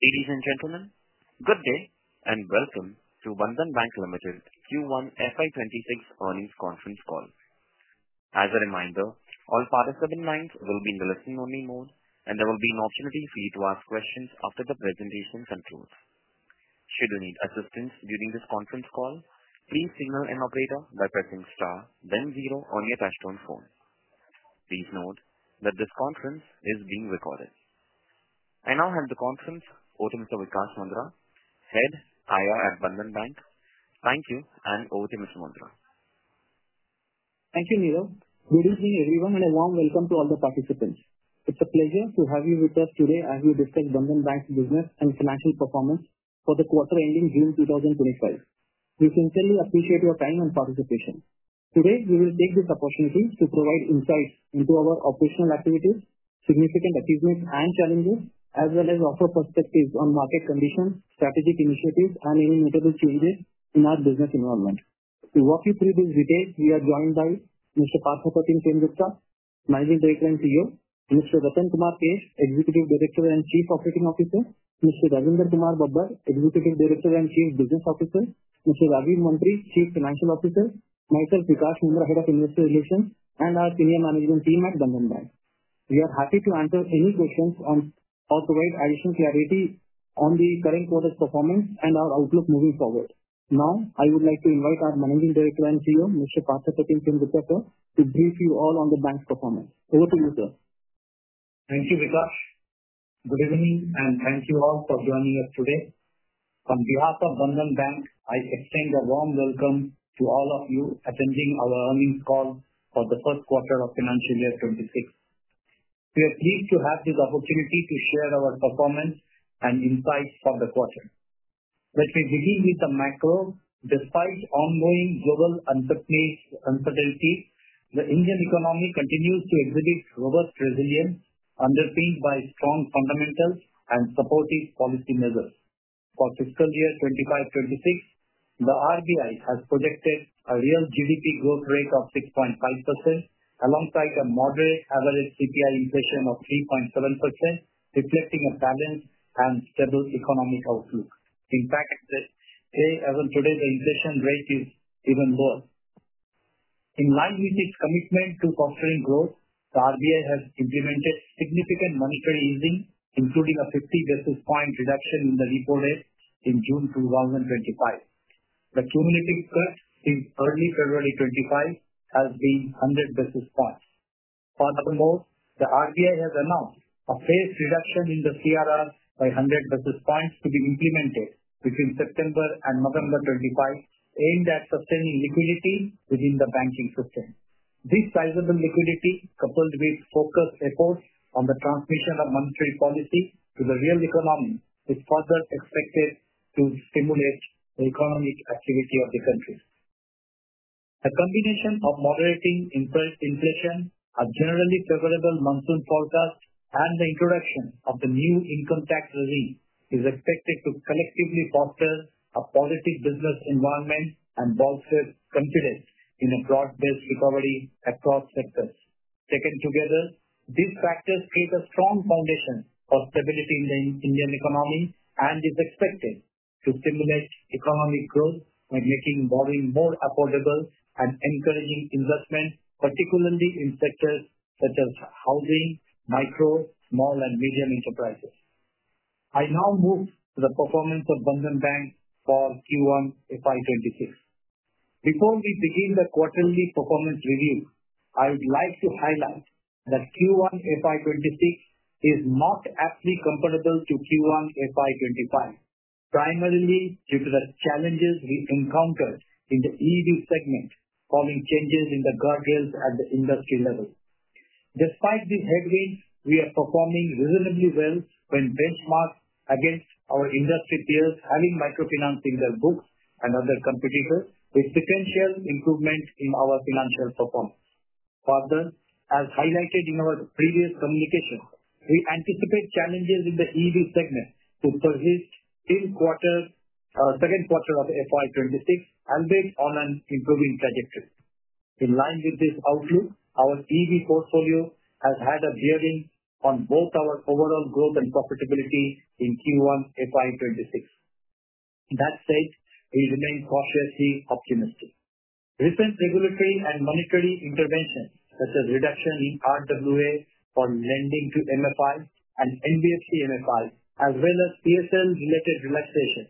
Ladies and gentlemen, good day, and welcome to Bandhan Bank Limited Q1 FY 'twenty six Earnings Conference Call. As a reminder, all participants will be in the listen only mode, and there will be an opportunity for you to ask questions after the presentation concludes. Should you need assistance during this conference call, please signal an operator by pressing then 0 on your touch tone phone. Please note that this conference is being recorded. I now hand the conference over to Mr. Vikash Mandra, Head IR at Bandhan Bank. Thank you and over to Mr. Mundra. Thank you, Neera. Good evening everyone and a warm welcome to all the participants. It's a pleasure to have you with us today as we discuss Bandhan Bank's business and financial performance for the quarter ending June 2025. We sincerely appreciate your time and participation. Today, we will take this opportunity to provide insights into our operational activities, significant achievements and challenges, as well as offer perspectives on market conditions, strategic initiatives, and any notable changes in our business environment. To walk you through these details, we are joined by mister Parthakatim, name's agent and CEO, mister Dasan Kumar Kesh, executive director and chief operating officer, Mister Dasinder Kumar Babar, executive director and chief business officer. Mister Ravi Mantri, chief financial officer. Myself, head of investor relations, and our senior management team at Dun and Bradstreet. We are happy to answer any questions on or provide additional clarity on the current quarter's performance and our outlook moving forward. Now, I would like to invite our Managing Director and CEO, Mr. Patakatim Timbukhatir, to brief you all on the bank's performance. Over to you, sir. Thank you, Vikash. Good evening, and thank you all for joining us today. On behalf of Bandhan Bank, I extend a warm welcome to all of you attending our earnings call for the first quarter of financial year twenty six. We are pleased to have this opportunity to share our performance and insights for the quarter. Let me begin with the macro despite ongoing global uncertainty, the Indian economy continues to exhibit robust resilience underpinned by strong fundamentals and supportive policy measures. For fiscal year twenty five, twenty six, the RBI has projected a real GDP growth rate of 6.5% alongside a moderate average CPI inflation of 3.7%, reflecting a balanced and stable economic outlook. In fact, the as of today, the inflation rate is even lower. In line with its commitment to fostering growth, the RBA has implemented significant monetary easing, including a 50 basis point reduction in the repo rate in June 2025. The cumulative cut since early February twenty five has been 100 basis points. Furthermore, the RBI has announced a phase reduction in the CRR by 100 basis points to be implemented between September and November 25 aimed at sustaining liquidity within the banking system. This sizable liquidity coupled with focused efforts on the transmission of monetary policy to the real economy is further expected to stimulate the economic activity of the country. A combination of moderating inflation, a generally favorable monsoon forecast, and the introduction of the new income tax relief is expected to collectively foster a positive business environment and bolster confidence in a broad based recovery across sectors. Taken together, these factors keep a strong foundation for stability in the Indian economy and is expected to stimulate economic growth by making borrowing more affordable and encouraging investment, particularly in sectors such as housing, micro, small and medium enterprises. I now move to the performance of Bunzan Bank for q one f I twenty six. Before we begin the quarterly performance review, I would like to highlight that q one f I twenty six is not aptly comparable to q one FY twenty five, primarily due to the challenges we encountered in the EV segment, following changes in the guardrails at the industry level. Despite these headwinds, we are performing reasonably well when benchmark against our industry peers having microfinance in their books and other competitors with sequential improvement in our financial performance. Further, as highlighted in our previous communication, we anticipate challenges in the EV segment to persist in quarter '26 and based on an improving trajectory. In line with this outlook, our EV portfolio has had a gearing on both our overall growth and profitability in Q1 FY twenty six. That said, we remain cautiously optimistic. Recent regulatory and monetary intervention, such as reduction in RWA for lending to MFI and NBFC MFI, as well as PSL related relaxation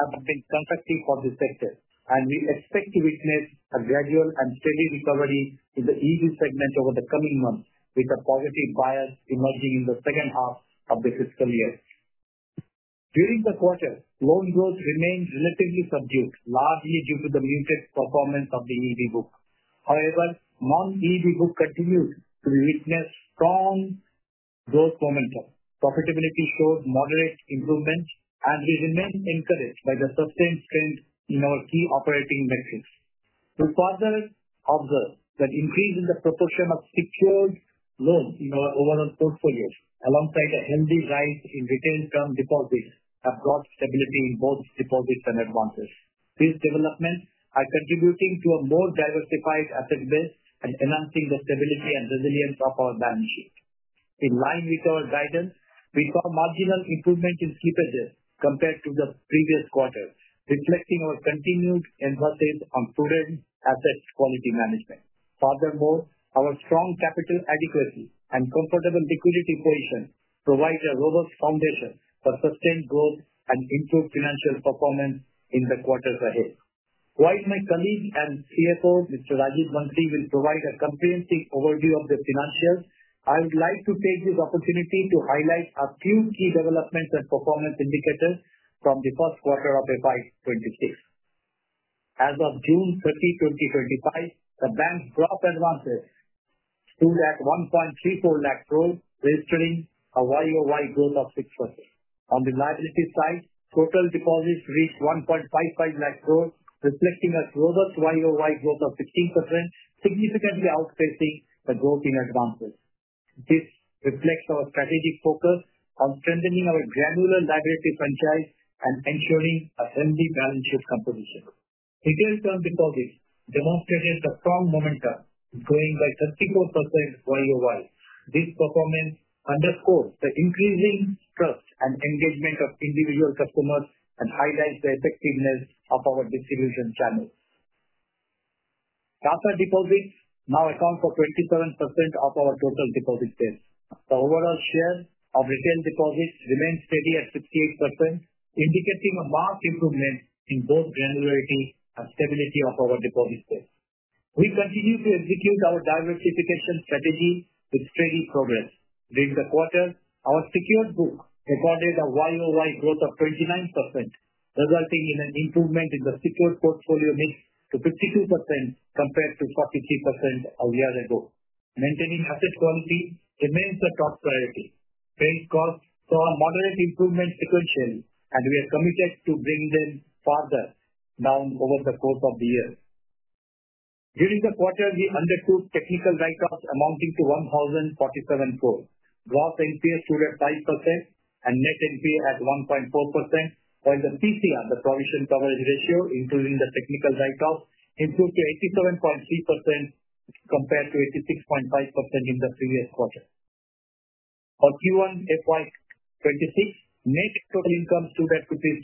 have been contracting for the sector, and we expect to witness a gradual and steady recovery in the EV segment over the coming months with a positive buyers emerging in the second half of the fiscal year. During the quarter, loan growth remained relatively subdued, largely due to the muted performance of the EV book. However, non EV book continued to witness strong growth momentum. Profitability showed moderate improvement, and we remain encouraged by the sustained strength in our key operating metrics. The further of the the increase in the proportion of secured loan in our overall portfolio, alongside the healthy right in return term deposits have brought stability in both deposits and advances. These developments are contributing to a more diversified asset base and enhancing the stability and resilience of our balance sheet. In line with our guidance, we saw marginal improvement in key pages compared to the previous quarter, reflecting our continued emphasis on prudent asset quality management. Furthermore, our strong capital adequacy and comfortable liquidity position provide a robust foundation for sustained growth and improved financial performance in the quarters ahead. While my colleague and CFO, Mr. Rajiv Mansi, will provide a comprehensive overview of the financials, I would like to take this opportunity to highlight a few key developments and performance indicators from the first quarter of FY 'twenty six. As of 06/30/2025, the bank dropped advances to that 1 0.34 growth, registering a y o y growth of 6%. On the liability side, total deposits reached 1.55 lakhs growth, reflecting a growth of Y o Y growth of 15%, significantly outpacing the growth in advances. This reflects our strategic focus on strengthening our granular liability franchise and ensuring a healthy balance sheet composition. Retail term deposits demonstrated a strong momentum, growing by 34% Y o Y. This performance underscores the increasing trust and engagement of individual customers and highlights the effectiveness of our distribution channel. Data deposits now account for 27% of our total deposit base. The overall share of retail deposits remains steady at 58%, indicating a marked improvement in both granularity and stability of our deposit base. We continue to execute our diversification strategy with steady progress. During the quarter, our secured book recorded a Y o Y growth of 29%, resulting in an improvement in the secured portfolio mix to 52% compared to 43% a year ago. Maintaining asset quality remains the top priority. Paying cost for a moderate improvement sequentially, and we are committed to bringing them further down over the course of the year. During the quarter, we undertook technical write offs amounting to $1,047.04. Gross NPL stood at 5% and net NPL at 1.4%, while the CCR, the provision coverage ratio, including the technical write off, improved to 87.3% compared to 86.5% in the previous quarter. For Q1 FY 'twenty six, net total income stood at rupees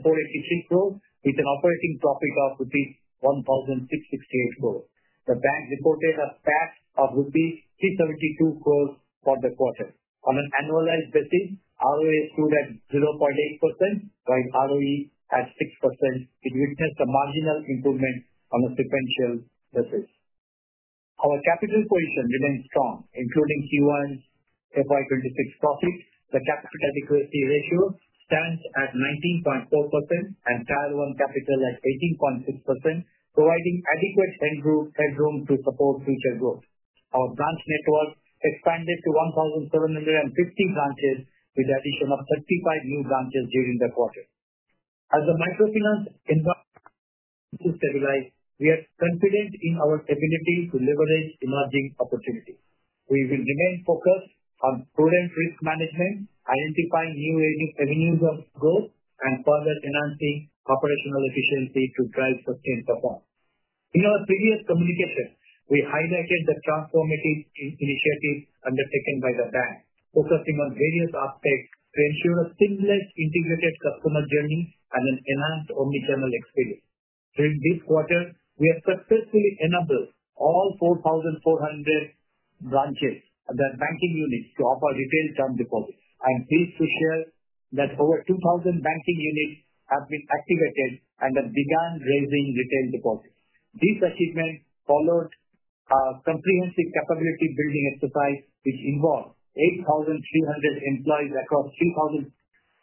$3,004.83 crores with an operating profit of rupees $1,006.68 crores. The bank reported a tax of rupees $3.72 crores for the quarter. On an annualized basis, ROE stood at 0.8%, while ROE at 6%, which has a marginal improvement on a sequential basis. Our capital position remains strong, including Q1 FY twenty six profit. The capital adequacy ratio stands at 19.4% and Tier one capital at 18.6%, providing adequate headroom to support future growth. Our branch network expanded to seventeen fifty branches with the addition of 35 new branches during the quarter. As the microfinance environment to stabilize, we are confident in our ability to leverage emerging opportunity. We will remain focused on prudent risk management, identifying new areas of growth, and further enhancing operational efficiency to drive sustained performance. In our previous communication, we highlighted the transformative initiative undertaken by the bank, focusing on various aspects to ensure a seamless integrated customer journey and an enhanced omnichannel experience. During this quarter, we have successfully enabled all 4,400 branches of the banking units to offer retail term deposits. I'm pleased to share that over 2,000 banking units have been activated and have begun raising retail deposits. This achievement followed a comprehensive capability building exercise which involved 8,300 employees across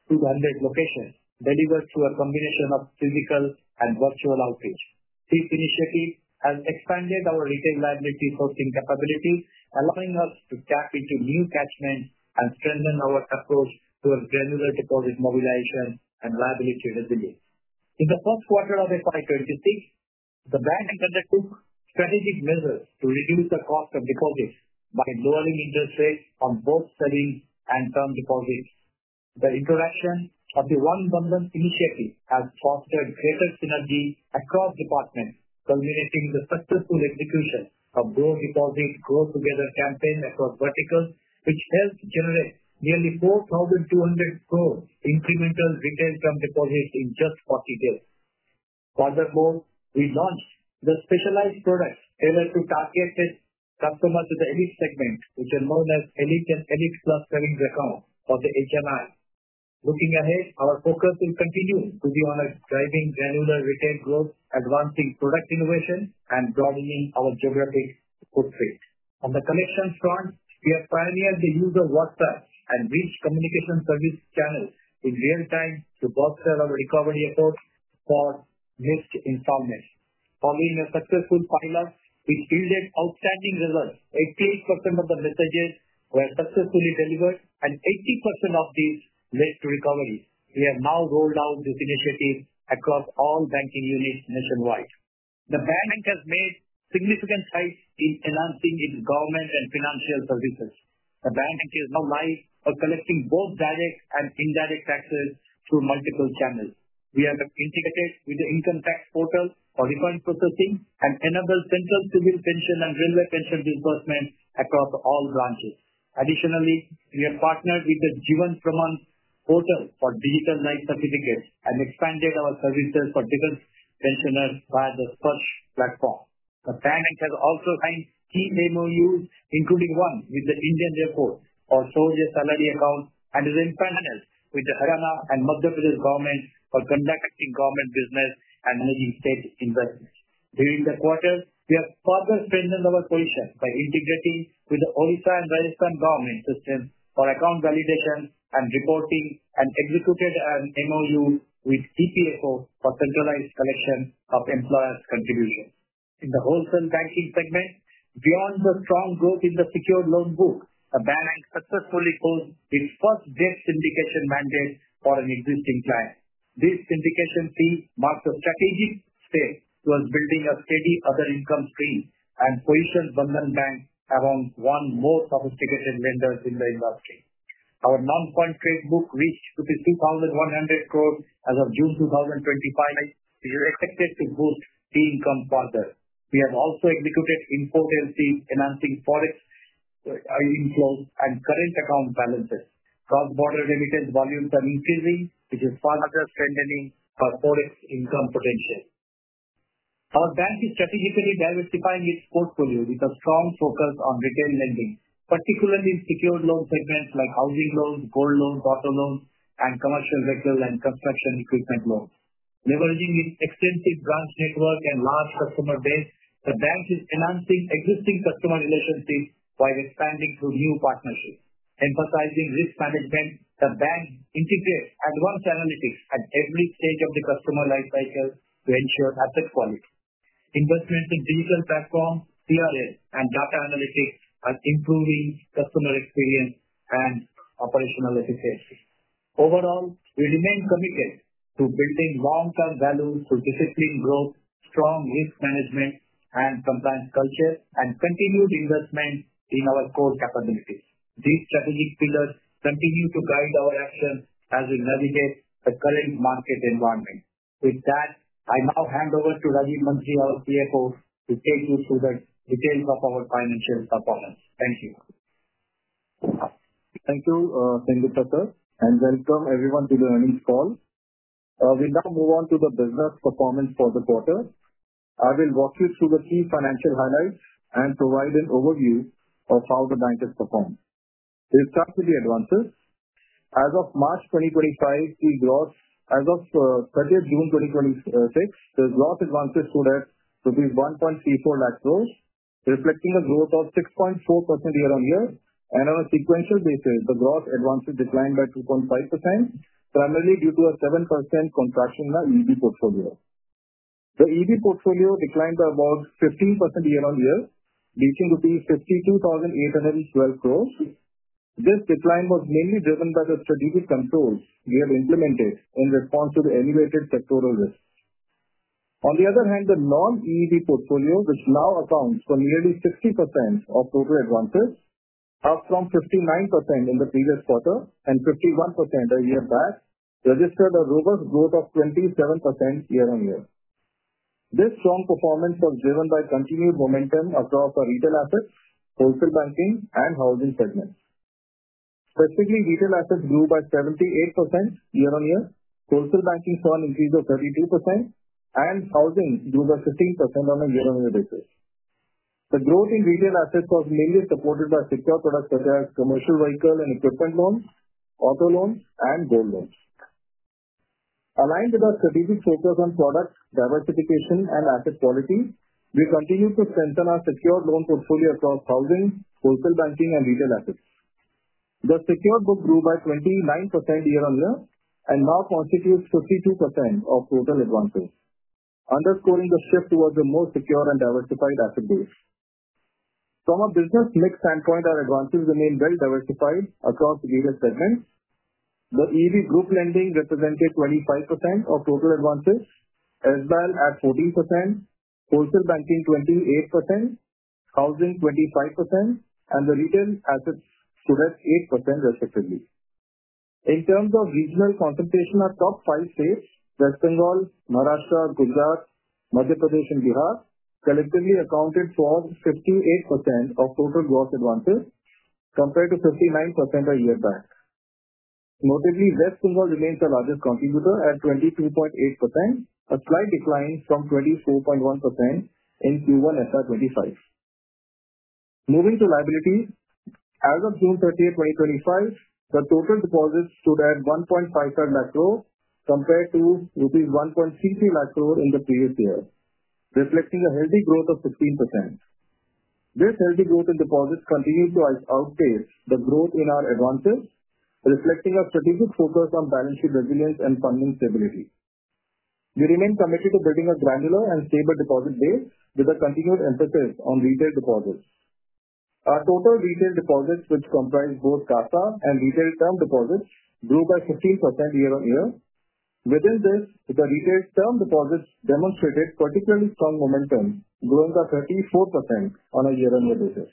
2,200 locations delivered to a combination of physical and virtual outreach. This initiative has expanded our retail liability hosting capability, allowing us to tap into new catchment and strengthen our approach towards granular deposit mobilization and liability. In the first quarter of FY twenty six, the bank undertook strategic measures to reduce the cost of deposits by lowering interest rates on both selling and term deposits. The interaction of the one bundled initiative has fostered greater synergy across department, culminating the successful execution of growth deposit growth together campaign across verticals, which helps generate nearly 4,200 growth incremental retail from deposits in just forty days. Furthermore, we launched the specialized products tailored to targeted customers to the elite segment, which are more than elite and elite plus savings account for the HMI. Looking ahead, our focus will continue to be on a driving granular retail growth, advancing product innovation, and broadening our geographic footprint. On the collections front, we are pioneered the use of WhatsApp and reach communication service channels in real time to bolster our recovery efforts for missed informants. Following a successful pilot, we've yielded outstanding results. 88% of the messages were successfully delivered, and 80% of these led to recovery. We have now rolled out this initiative across all banking units nationwide. The bank has made significant strides in enhancing its government and financial services. The bank is now live for collecting both direct and indirect taxes to multiple channels. We are integrated with the income tax portal for refund processing and enable central civil pension and railway pension disbursement across all branches. Additionally, we are partnered with the g one per month portal for digital life certificate and expanded our services for digital pensioners by the first platform. The Panic has also signed key MOUs including one with the Indian airport or soldier salary account and is in finance with the Hana and Mogadish government for conducting government business and managing state investments. During the quarter, we have further strengthened our position by integrating with the Olysan and Rajasthan government system for account validation and reporting and executed an MOU with TPACO for centralized collection of employers' contributions. In the wholesale banking segment, beyond the strong growth in the secured loan book, BanA successfully closed its first debt syndication mandate for an existing client. This syndication fee marked a strategic step towards building a steady other income stream and positions Bank among one more sophisticated lenders in the industry. Our non point trade book reached to the 2,100 crore as of June 2025. We are expected to boost the income further. We have also executed import and financing ForEx inflows and current account balances. Cross border remittance volumes are increasing, which is further strengthening our ForEx income potential. Our bank is strategically diversifying its portfolio with a strong focus on retail lending, particularly secured loan segments like housing loans, gold loans, auto loans, and commercial vehicle and construction equipment loans. Leveraging its extensive branch network and large customer base, the bank is enhancing existing customer relationship by expanding to new partnership. Emphasizing risk management, the bank integrate advanced analytics at every stage of the customer life cycle to ensure asset quality. Investment in digital platform, PRA, and data analytics are improving customer experience and operational efficiency. Overall, we remain committed to building long term value through disciplined growth, strong risk management, and compliance culture, and continued investment in our core capabilities. These strategic pillars continue to guide our actions as we navigate the current market environment. With that, I now hand over to Rajiv Manshi, our CFO, to take you through the details of our financial performance. Thank you. Thank you, Sengita sir, and welcome everyone to the earnings call. We now move on to the business performance for the quarter. I will walk you through the key financial highlights and provide an overview of how the bank has performed. We start with the advances. As of March 2025, the growth as of thirtieth June twenty twenty six, the growth advances stood at to be 1.34 lakh crores, reflecting a growth of 6.4% year on year. And on a sequential basis, the growth advances declined by 2.5%, primarily due to a 7% contraction in our EV portfolio. The EV portfolio declined by about 15% year on year, reaching to be 52,812 crores. This decline was mainly driven by the strategic controls we have implemented in response to the elevated sectoral risk. On the other hand, the non EED portfolio, which now accounts for nearly 60% of total advances, up from 59% in the previous quarter and 51% a year back, registered a robust growth of 27% year on year. This strong performance was driven by continued momentum across our retail assets, wholesale banking, and housing segments. Specifically, retail assets grew by 78% year on year. Wholesale banking saw an increase of 32%, and housing grew by 15 on a year on year basis. The growth in retail assets was mainly supported by sector products such as commercial vehicle and equipment loans, auto loans and gold loans. Aligned with our strategic focus on products, diversification and asset quality, we continue to strengthen our secured loan portfolio across housing, wholesale banking and retail assets. The secured book grew by 29% year on year and now constitutes 52% of total advances, underscoring the shift towards the most secure and diversified asset base. From a business mix standpoint, our advances remain well diversified across the various segments. The EV group lending represented 25% of total advances, as well at 14%, wholesale banking 28%, housing 25%, and the retail assets stood at 8% respectively. In terms of regional consultation, our top five states, West Bengal, Maharashtra, Gujarat, Madhya Pradesh, and Girard collectively accounted for 58% of total gross advances compared to 59% a year back. Notably, West Singapore remains the largest contributor at 22.8%, a slight decline from 24.1% in q one s r twenty five. Moving to liabilities, as of June 2025, the total deposits stood at 1.5 lakh crore compared to rupees 1.33 lakh crore in the previous year, reflecting a healthy growth of 15%. This healthy growth in deposits continues to outpace the growth in our advances, reflecting our strategic focus on balance sheet resilience and funding stability. We remain committed to building a granular and stable deposit base with a continued emphasis on retail deposits. Our total retail deposits, which comprise both Tata and retail term deposits, grew by 15% year on year. Within this, the retail term deposits demonstrated particularly strong momentum, growing by 34% on a year on year basis.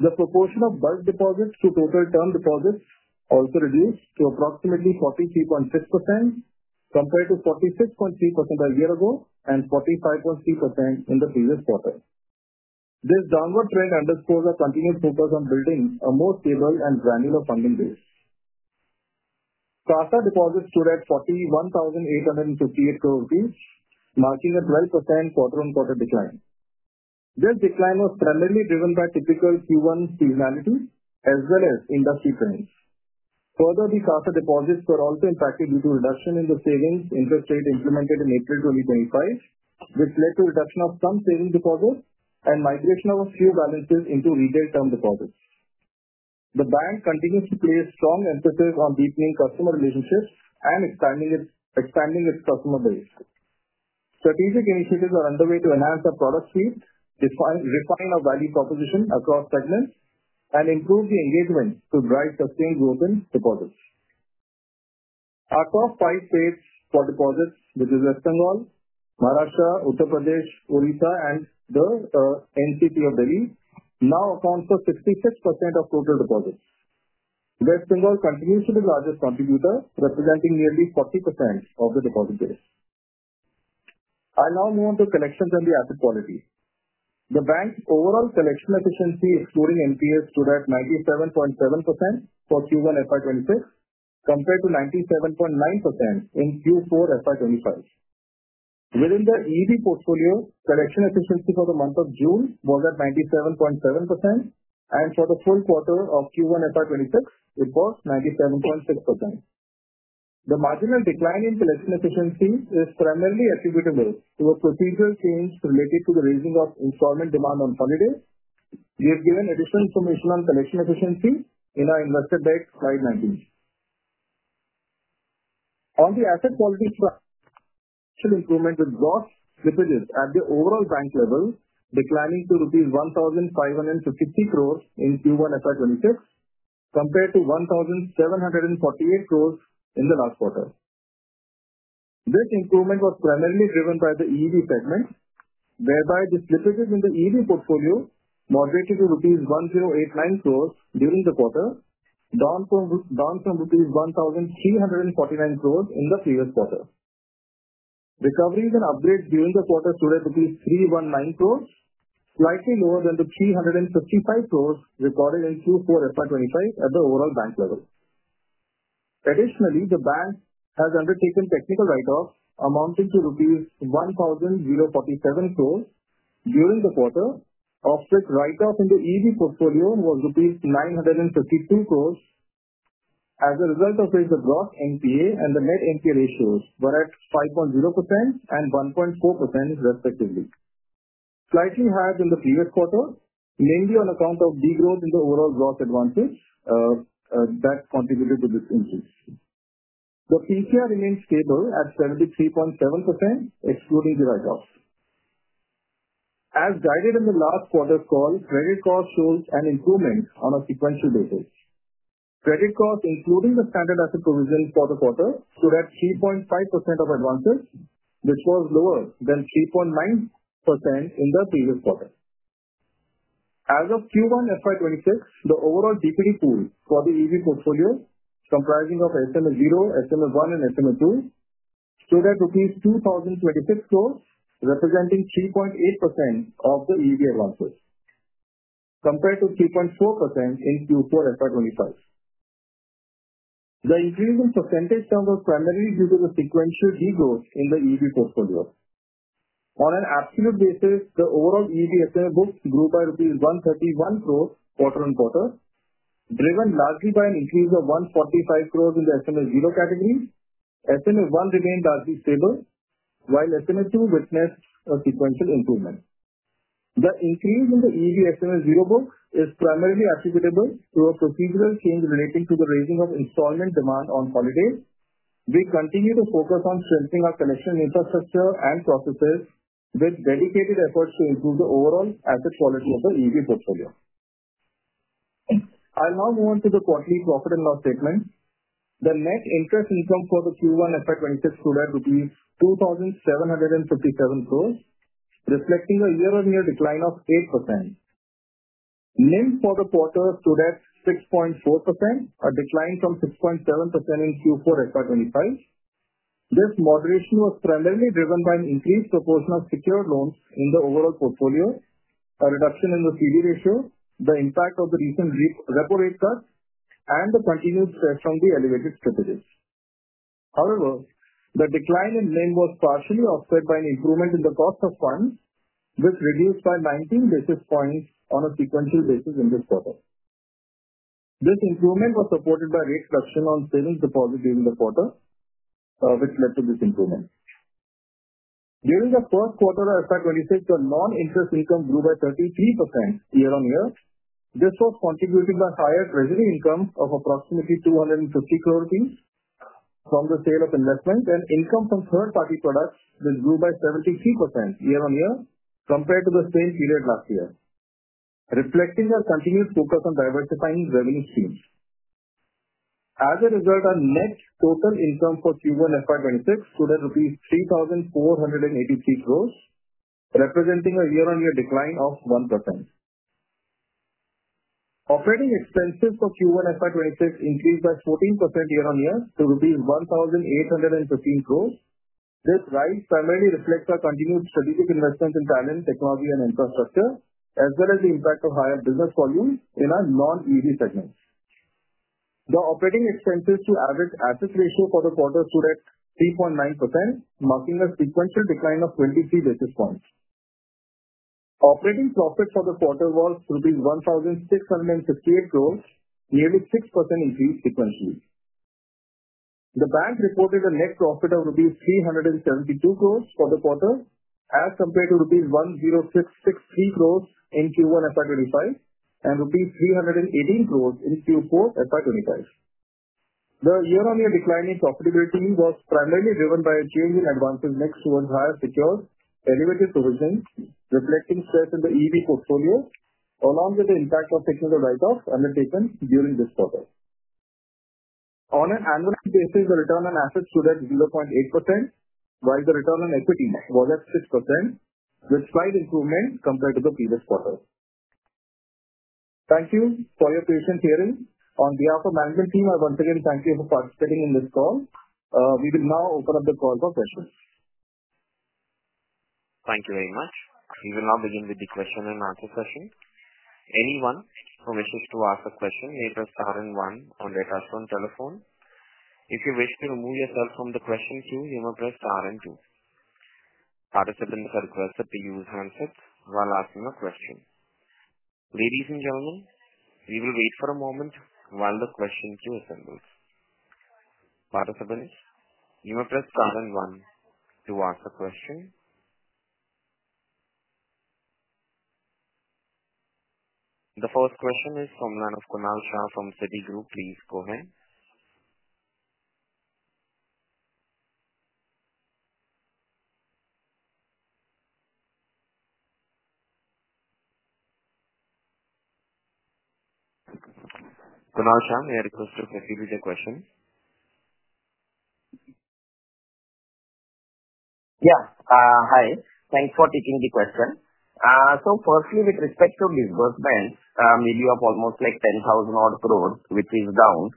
The proportion of bulk deposits to total term deposits also reduced to approximately 43.6% compared to 46.3% a year ago and 45.3% in the previous quarter. This downward trend underscores our continued focus on building a more stable and granular funding base. Tata deposits stood at 41,858 crore rupees, marking a 12% quarter on quarter decline. This decline was primarily driven by typical q one seasonality as well as industry trends. Further, the faster deposits were also impacted due to reduction in the savings interest rate implemented in April 2025, which led to reduction of some savings deposits and migration of a few balances into retail term deposits. The bank continues to play a strong emphasis on deepening customer relationships and expanding its expanding its customer base. Strategic initiatives are underway to enhance our product suite, define refine our value proposition across segments, and improve the engagement to drive sustained growth in deposits. Our top five states for deposits, which is Westingall, Maharashtra, Uttar Pradesh, Odisha, and the NCT of Delhi, now account for 66% of total deposits. Westingall continues to be largest contributor, representing nearly 40% of the deposit base. I'll now move on to collections and the asset quality. The bank's overall collection efficiency, excluding NPS, stood at 97.7% for q one FY twenty six compared to 97.9% in q four FY twenty five. Within the EV portfolio, collection efficiency for the month of June was at 97.7%, and for the full quarter of q one FY twenty six, it was 97.6%. The marginal decline in collection efficiency is primarily attributable to a procedure change related to the raising of installment demand on holiday. We have given additional information on collection efficiency in our investor deck, slide 19. On the asset quality improvement has got at the overall bank level declining to rupees 1,550 crores in q one FY twenty six compared to 1,748 crores in the last quarter. This improvement was primarily driven by the EV segment, whereby, this business in the EV portfolio moderated to rupees $1.00 $8.09 crores during the quarter, down from down from rupees 1,349 crores in the previous quarter. Recoveries and upgrades during the quarter stood at rupees $3.01 9 crores, slightly lower than the 355 crores recorded in q four f y twenty five at the overall bank level. Additionally, the bank has undertaken technical write off amounting to rupees $1,000.47 crores during the quarter. Offset write off in the EV portfolio was rupees 952 crores as a result of the block NPA and the net NPA ratios were at 51.4% respectively. Slightly higher than the previous quarter, mainly on account of degrowth in the overall growth advantage that contributed to this increase. The PTR remains stable at 73.7% excluding the write off. As guided in the last quarter's call, credit cost shows an improvement on a sequential basis. Credit cost including the standard asset provision for the quarter stood at 3.5 of advances, which was lower than 3.9% in the previous quarter. As of q one FY twenty six, the overall GPT pool for the EV portfolio comprising of s m l zero, s m l one and s m l two, stood at rupees 2,026 crores, representing 3.8% of the EVA losses compared to 3.4% in q four FY twenty five. The increase in percentage terms was primarily due to the sequential degrowth in the EV portfolio. On an absolute basis, the overall EV S and A book grew by rupees $1.31 crores quarter on quarter, driven largely by an increase of $1.45 crores in the SMS zero category. SMS one remained largely stable, while SMS two witnessed a sequential improvement. The increase in the EV SMS zero book is primarily attributable to a procedural change relating to the raising of installment demand on holiday. We continue to focus on strengthening our collection infrastructure and processes with dedicated efforts to improve the overall asset quality of the EV portfolio. I'll now move on to the quarterly profit and loss statement. The net interest income for the q one f I twenty six stood at rupees 2,757 crores, reflecting a year over year decline of 8%. NIM for the quarter stood at 6.4%, a decline from 6.7% in q four FY twenty five. This moderation was primarily driven by an increased proportion of secured loans in the overall portfolio, a reduction in the CV ratio, the impact of the recent repo rate cut, and the continued stress on the elevated strategies. However, the decline in LEN was partially offset by an improvement in the cost of funds, which reduced by 19 basis points on a sequential basis in this quarter. This improvement was supported by rate reduction on savings deposit during the quarter, which led to this improvement. During the first quarter of FY twenty six, the noninterest income grew by 33% year on year. This was contributing by higher treasury income of approximately 250 crore fees from the sale of investment and income from third party products that grew by 73% year on year compared to the same period last year, reflecting our continued focus on diversifying revenue streams. As a result, our net total income for q one FY twenty six stood at rupees 3,483 crores, representing a year on year decline of 1%. Operating expenses for q one FY twenty six increased by 14% year on year to rupees 1,815 crores. This rise primarily reflects our continued strategic investment in talent, technology and infrastructure, as well as the impact of higher business volume in our non EV segments. The operating expenses to average asset ratio for the quarter stood at 3.9%, marking a sequential decline of 23 basis points. Operating profit for the quarter was rupees 1,658 crores, nearly 6% increase sequentially. The bank reported a net profit of rupees 372 crores for the quarter as compared to rupees $1.00 $6.06 3 crores in q one FY twenty five and rupees 318 crores in q four FY twenty five. The year on year decline in profitability was primarily driven by a change in advances next to a higher secured elevated provisions, reflecting set in the EV portfolio along with the impact of taking the write off annotation during this quarter. On an annual basis, the return on assets stood at 0.8%, while the return on equity was at 6%, despite improvement compared to the previous quarter. Thank you for your patience hearing. On behalf of management team, I once again thank you for participating in this call. We will now open up the call for questions. Thank you very much. We will now begin with the question and answer session. Anyone who wishes to ask a question may press and one on their touch tone telephone. If you wish to remove yourself from the question queue, you may press and 2. Participants have requested to use handset while asking a question. Ladies and gentlemen, we will wait for a moment while the question queue assembles. Participants, you may press pound and 1 to ask the question. The first question is from the line of Kunal Shah from Citigroup. Please go ahead. Kunal Shah, may I request to proceed with your question? Yeah. Hi. Thanks for taking the question. So firstly, with respect to disbursements, maybe you have almost, like, 10,000 odd crores, which is down.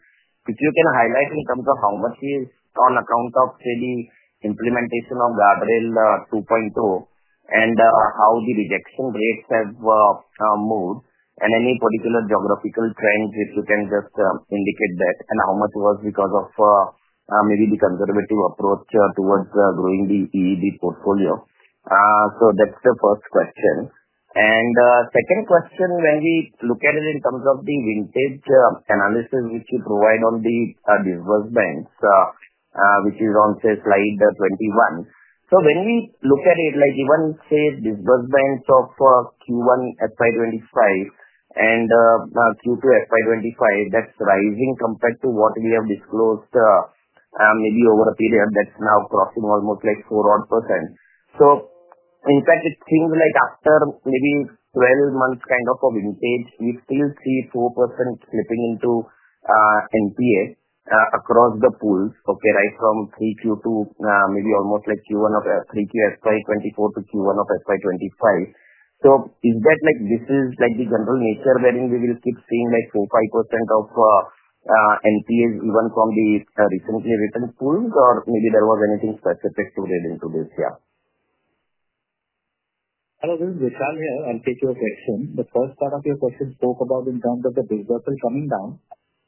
If you can highlight in terms of how much is on account of the implementation of the AdRail two point o and how the rejection rates have moved and any particular geographical trends, if you can just indicate that And how much was because of maybe the conservative approach towards growing the EED portfolio? So that's the first question. And second question, when we look at it in terms of the vintage analysis which you provide on the disbursements, which is on, say, slide 21. So when we look at it, like, even, say, disbursements of q one f y twenty five and q two f y twenty five that's rising compared to what we have disclosed maybe over a period that's now crossing almost, like, four odd percent. So in fact, it seems like after maybe twelve months kind of a vintage, we still see 4% slipping into NPA across the pools, okay, right, from 03/2002, maybe almost like q one of 03/2024 to q one of s y twenty five. So is that, like, this is, like, the general nature wherein we will keep seeing, like, 5% of NPS even from the recently written pools, or maybe there was anything specific to read into this. Yeah. Hello. This is Vishal here. I'll take your question. The first part of your question spoke about in terms of the big bubble coming down.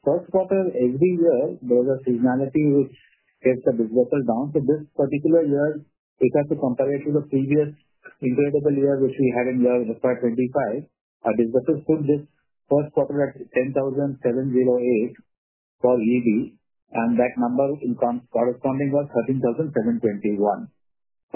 First quarter, every year, there's a seasonality which gets the big bubble down. So this particular year, it has to compare it to the previous in the year, which we had in the '25. Our business is good. This first quarter at $10,007.00 8 for EV, and that number income corresponding was $13,007.21.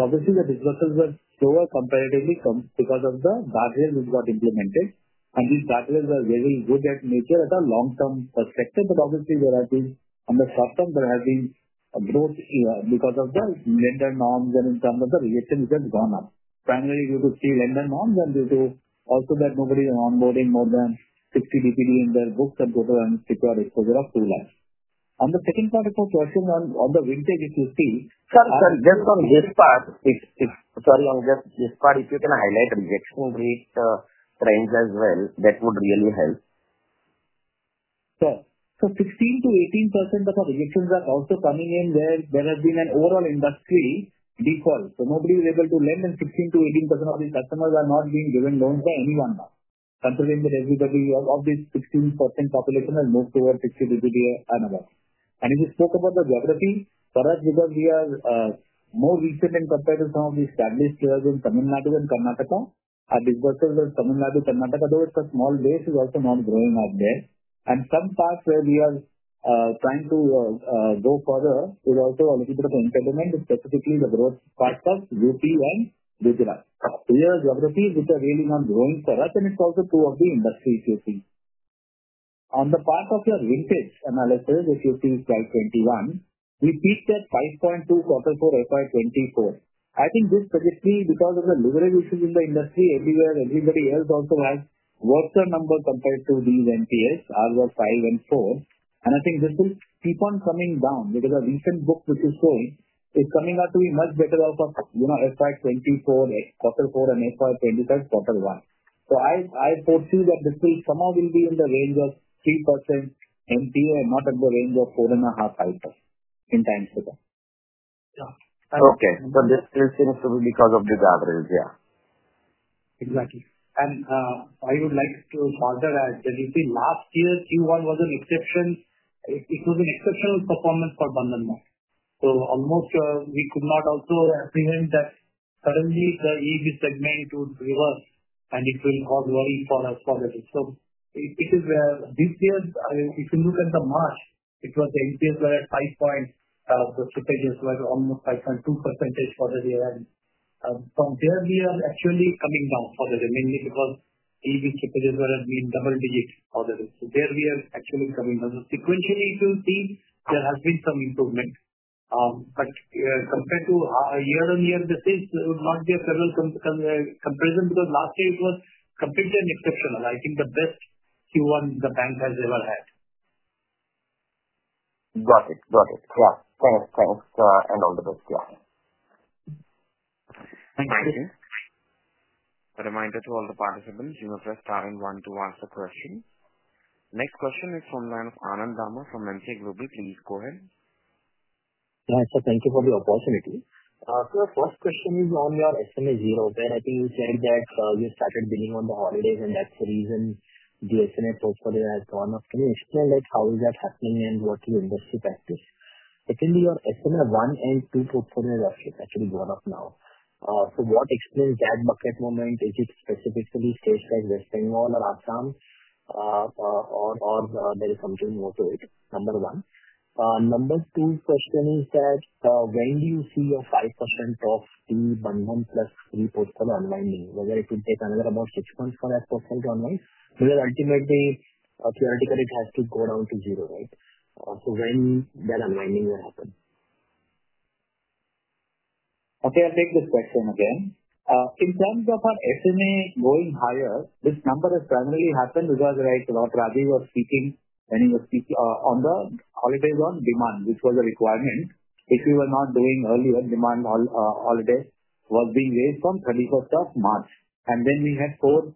So obviously, businesses are slower comparatively from because of the bad deal we've got implemented. And these bad deals are very good at nature at a long term perspective, but obviously, there are things on the short term, there has been a growth here because of the vendor norms and in terms of the recent has gone up. Finally, you could see vendor norms and they do also that nobody is onboarding more than 60 d p d in their books and total and security. So there are two lines. On the second part of your question on on the vintage, if you see. Sir, sir, just on this part, if if sorry. I'm just this part, if you can highlight rejection rate trends as well, that would really help. Sir, so 16 to 18% of our rejections are also coming in where there has been an overall industry default. So nobody is able to lend and 15 to 18% of these customers are not being given loans by anyone now. Considering the revenue of of this 16% population has moved towards 60 to the another. And if you spoke about the geography, for us, because we are more recent in competitors now. We established in Tamil Nadu and Karnataka. Our discussion with Tamil Nadu, Karnataka, though it's a small base is also not growing out there. And some parts where we are trying to go further is also a little bit of entertainment, specifically the growth part of UP and digital. We have a few which are really not growing for us, and it's also two of the industries you see. On the part of your vintage analysis, if you see slide '21, we beat that 5.2 quarter four FY '24. I think this, basically, because of the delivery issues in the industry, everywhere, everybody else also has worked their numbers compared to these NPS, other five and four. And I think this will keep on coming down because our recent book which is showing is coming out to be much better off of, you know, FY '24, a quarter four and FY '25, quarter one. So I I foresee that this will somehow will be in the range of 3% and not at the range of four and a half items in time to go. Yeah. Okay. But this this seems to be because of this average. Yeah. Exactly. And I would like to further add that you see last year, q one was an exception. It was an exceptional performance for Bandhan. So almost we could not also agree in that. Currently, the EV segment would reverse, and it will cause worry for us for that. So it it is where this year, I mean, if you look at the March, it was the NPS where at five point the two pages were almost 5.2 percentage for the year end. From there, we are actually coming down for the remaining because EV chipages were at being double digit for the rest. So there we are actually coming down. Sequentially, you'll see there has been some improvement. But compared to a year on year basis, there would not be a several comparison because last year, it was completely an exceptional. Think the best q one the bank has ever had. Got it. Got it. Yeah. Thanks. Thanks, and all the best. Yeah. Thank you. A reminder to all the participants, you may press and one to ask a question. Next question is from the line of from. Please go ahead. Yeah sir, thank you for the opportunity. Sir, first question is on your s m a zero, where I think you said that you started billing on the holidays and that's the reason the SMA portfolio has gone up. Can you explain like how is that happening and what you invest in practice? It can be your SMA one and two portfolio actually going up now. So what explains that market moment? Is it specifically stage like this thing or or or there is something more to it, number one. Number two question is that when do you see your 5% of the one month plus three postponed online, whether it could take another about six months for that postponed online. So then ultimately, theoretically, it has to go down to zero. Right? So when that unwinding will happen. Okay. I'll take this question again. In terms of our estimate going higher, this number is primarily happened regarding the right our speaking and he was speaking on the holidays on demand, which was a requirement. If you were not doing earlier demand all holiday was being raised from March 31. And then we had four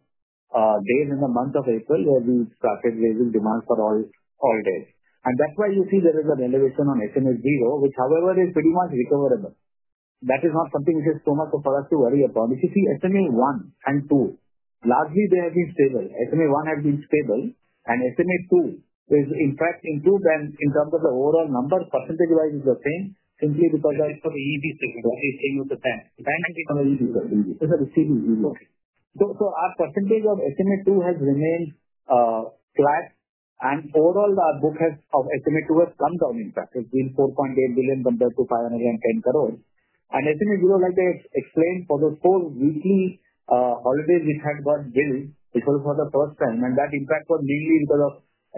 days in the month of April where we started raising demand for all all days. And that's why you see there is a renovation on SMSB, which, however, is pretty much recoverable. That is not something which is too much for us to worry about. If you see SME one and two, largely they have been stable. SME one has been stable and SME two is in fact improved and in terms of the overall number, percentage wise is the same simply because that's for the easy thing. The only thing you understand. The bank is gonna be. So So so our percentage of estimate two has remained flat and overall our book has of estimate two has come down in fact. It's been 4,800,000,000.0 compared to 510,000. And estimate, you know, like they explained for the four weekly holidays, we had one bill. It was for the first time, and that impact was mainly in the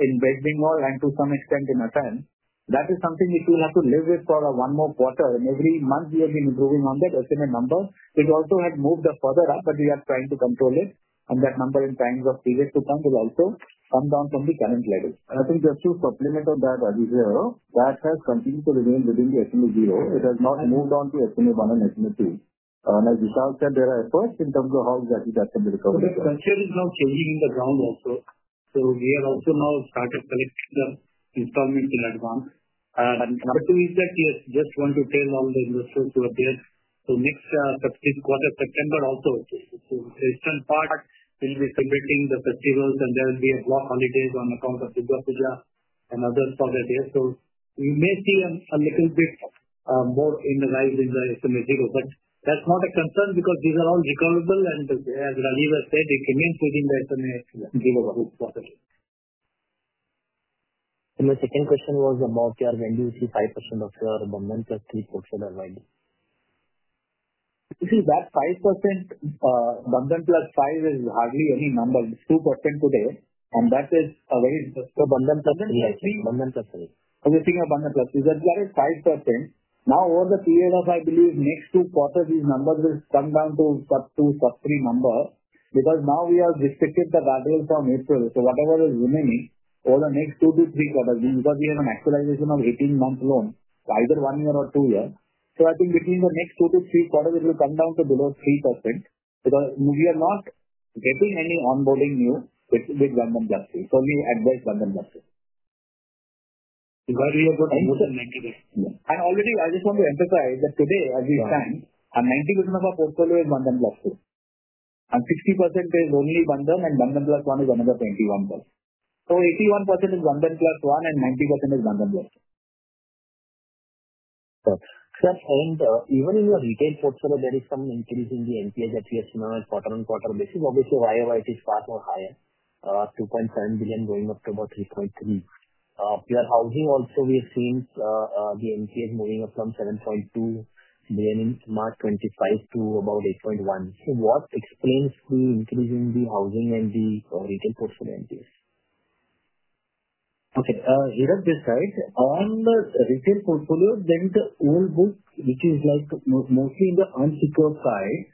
in Beijing or and to some extent in a time. That is something which we have to live with for a one more quarter. And every month, we have been improving on that estimate number. It also had moved up further up, but we are trying to control it. And that number in times of previous to come to also come down from the current level. I think there's two supplement on that, Adi, zero. That has continued to remain within SME zero. It has not moved on to SME one and SME two. And as Vishal said, there are efforts in terms of how exactly that can be recovered. Okay. The structure is now changing in the ground also. So we are also now started collecting the installment in advance. Number two is that yes, just want to tell all the investors to appear. So next the fifth quarter, September also, the Eastern part will be submitting the festivals and there will be a block holidays on account of the and others for the day. So we may see a a little bit more in the live in the estimated. But that's not a concern because these are all recoverable and as Ralee has said, they came in within the Internet. And the second question was about your end user 5% of your moment plus 3% ID? You see that 5% one month plus five is hardly any number. It's 2% today, and that is a very So one month plus month plus three. So you're seeing a one month plus three. That's that is 5%. Now over the period of, I believe, next two quarters, these numbers will come down to sub two sub three number because now we are restricted the value from April. So whatever is remaining, all the next two to three quarters, because we have an actualization of eighteen month loan, either one year or two year. So I think between the next two to three quarters, it will come down to below 3% because we are not getting any onboarding new with one month. So we advise one month. Because we have got ninety days. Yeah. Plus already, I just want to emphasize that today, as we stand, a 90% of our portfolio is one ten plus two. And 60% is only one ten, and one ten plus one is another 21 plus. So 81% is one ten plus 90% is one ten plus two. Sir, and even in your retail portfolio, there is some increase in the NPS that we have seen on a quarter on quarter basis. Obviously, why why it is far more higher? 2,700,000,000.0 going up to about 3.3. Your housing also, we have seen the NPS moving up from 7,200,000.0 in March 25 to about 8.1. So what explains the increase in the housing and the retail portfolio NPS? Okay. You have decide. On the retail portfolio, then the old book, which is like mostly the unsecured side,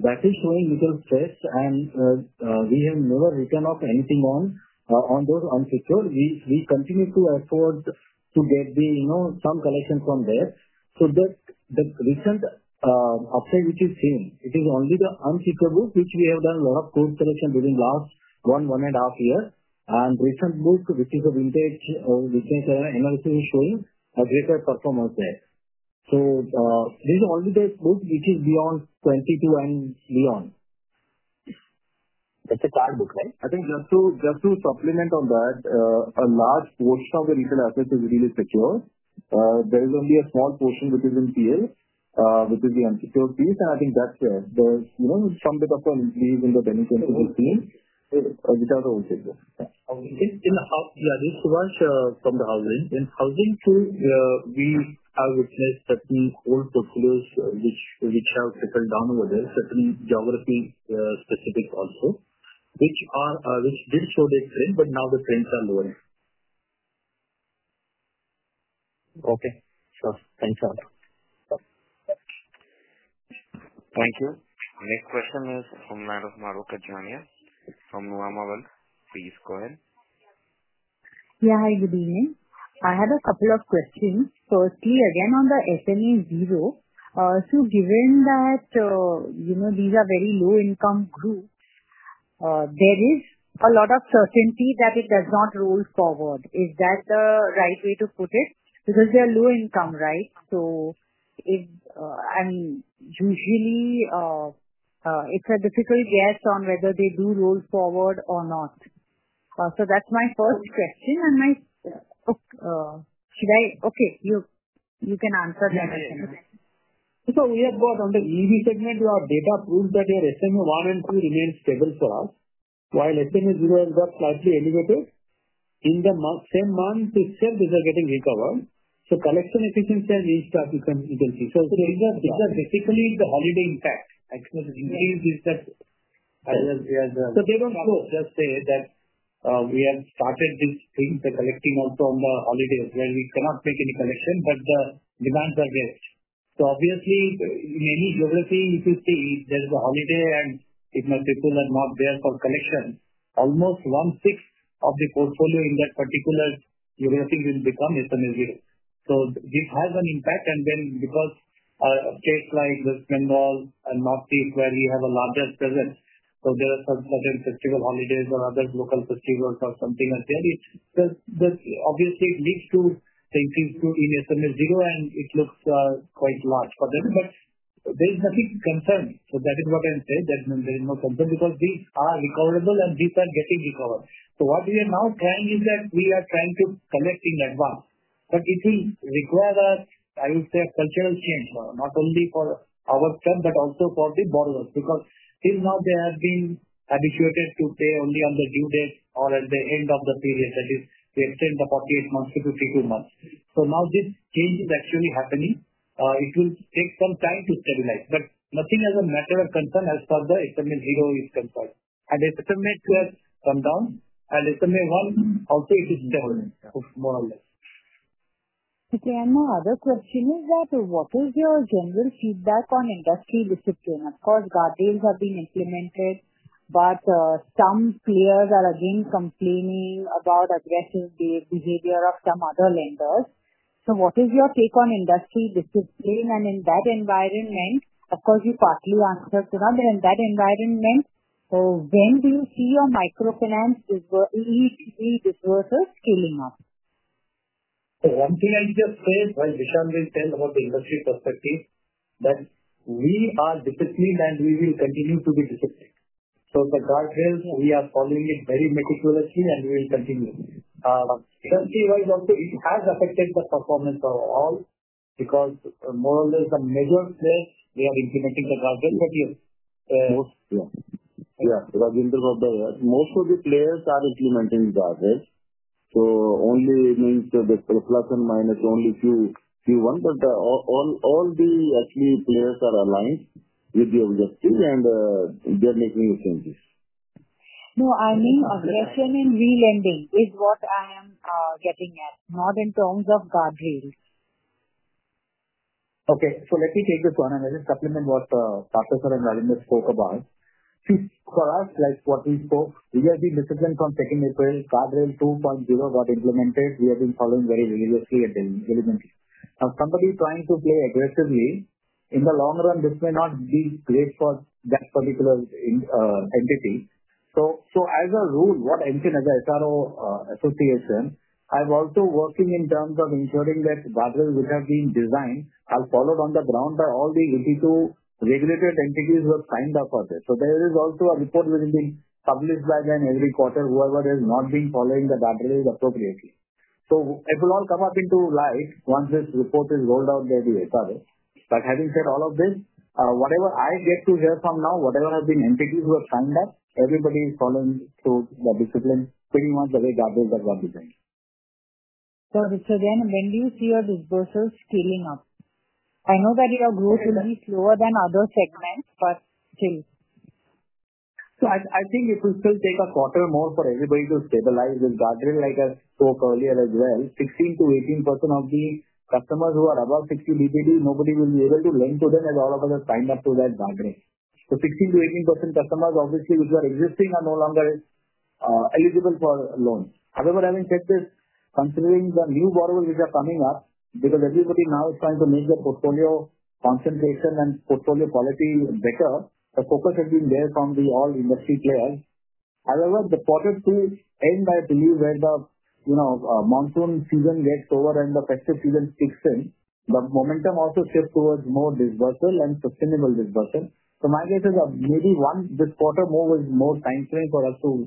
that is showing little test and we have no return of anything We we continue to afford to get the, you know, some collection from there. So that that recent update which is seen, it is only the unsecured book which we have done a lot of good collection during last one, one and a half year. And recent move to receive a vintage or the same kind of invoicing is showing a greater performance there. So this is only the good which is beyond '22 and beyond. It's a card book. Right? I think just to just to supplement on that, a large portion of the retail asset is really secure. There is only a small portion within the field, which is the unsecured piece, and I think that's the the, you know, some bit of a in the 2021 team. It because of all the things. Yeah. In in the This was from the housing. In housing too, we have witnessed that we hold the close, which which have settled down over there, certain geography specific also, which are, which did show the trend, but now the trends are lower. Okay. Sure. Thanks a lot. Thank you. Next question is from the line of from. Please go ahead. Yeah. Hi. Good evening. I had a couple of questions. Firstly, again on the SME zero. So given that, you know, these are very low income groups, there is a lot of certainty that it does not roll forward. Is that the right way to put it? Because they are low income. Right? So if I mean, usually, it's a difficult guess on whether they do roll forward or not. So, that's my first question and my should I, okay, you you can answer them again. So we have got on the EV segment, you have data proof that your SME one and two remains stable for us. While SME zero got slightly elevated in the month, same month itself is getting recovered. So collection you can you can see. So these are these are basically the holiday impact. Actually, the increase is that I will see as a So they don't know. Just say that we have started this thing by collecting out from the holidays where we cannot take any collection, but the demands are there. So obviously, many geography, if you see, there's a holiday and it might be full and not there for collection. Almost one sixth of the portfolio in that particular, you will think it will become a familiar. So this has an impact and then because of case like the Spendall and North East where we have a lot of present, so there are some certain festivals or other local festivals or something. Then it's that that obviously leads to same thing to in SME zero and it looks quite large for them. But there's nothing concerned. So that is what I'm saying. That means there is no concern because these are recoverable and these are getting recovered. So what we are now trying is that we are trying to collect in advance. But if we require that, I will say, cultural change, not only for our firm, but also for the borrowers. Because till now, they have been habituated to pay only on the due date or at the end of the period that is they extend the forty eight months to fifty two months. So now this change is actually happening. It will take some time to stabilize, but nothing as a matter of concern as far as SME zero is concerned. And SME two has come down, and SME one also it is more or less. Okay. And my other question is that what is your general feedback on industry discipline? Of course, guardians have been implemented, but some players are again complaining about aggressive behavior of some other lenders. So what is your take on industry discipline and in that environment? Of course, you partly answered. So, rather, in that environment, so when do you see your microfinance is what we need to be this versus scaling up? So one thing I just said, while Vishal will tell about the industry perspective, that we are disciplined and we will continue to be disciplined. So the guardrail, we are following it very meticulously and we will continue. Let's see why it also it has affected the performance overall because more or less a major player, we are implementing the project for you. Most yeah. Because I've been through all the most of the players are implementing the address. So only means that the plus and minus only few few ones that the all all the actually players are aligned with the objective and they are making the changes. No. I mean, aggression in relending is what I am getting at, not in terms of guardrails. Okay. So let me take this one, and I'll supplement what and spoke about. See, for us, like, what we spoke, we have been disciplined from second April, Two point zero got implemented. We have been following very rigorously at the very much. A company trying to play aggressively. In the long run, this may not be great for that particular entity. So so as a rule, what I'm saying is that association, I'm also working in terms of ensuring that the battery would have been designed. I'll follow on the ground by all the 82 regulated entities who have signed up for this. So there is also a report within the published by them every quarter, whoever is not being following the database appropriately. So it will all come up into life once this report is rolled out by the way, But having said all of this, whatever I get to hear from now, whatever has been entities who have signed up, everybody is calling to the discipline pretty much the way that is the. So so then when do you see your disposals scaling up? I know that your growth will be slower than other segments, but still. So I I think it will still take a quarter more for everybody to stabilize this gathering like I spoke earlier as well. 16 to 18% of the customers who are above 60 b b d, nobody will be able to link to them and all of us signed up to that gathering. So 16 to 18% customers, obviously, which are existing are no longer eligible for loans. However, having said this, considering the new borrowers which are coming up, because everybody now is trying to make their portfolio concentration and portfolio quality better, The focus has been there from the all industry players. However, the quarter two end up to you where the, you know, monsoon season gets over and the festive season kicks in. But momentum also shift towards more dispersal and sustainable dispersal. So my guess is that maybe one this quarter more is more time frame for us to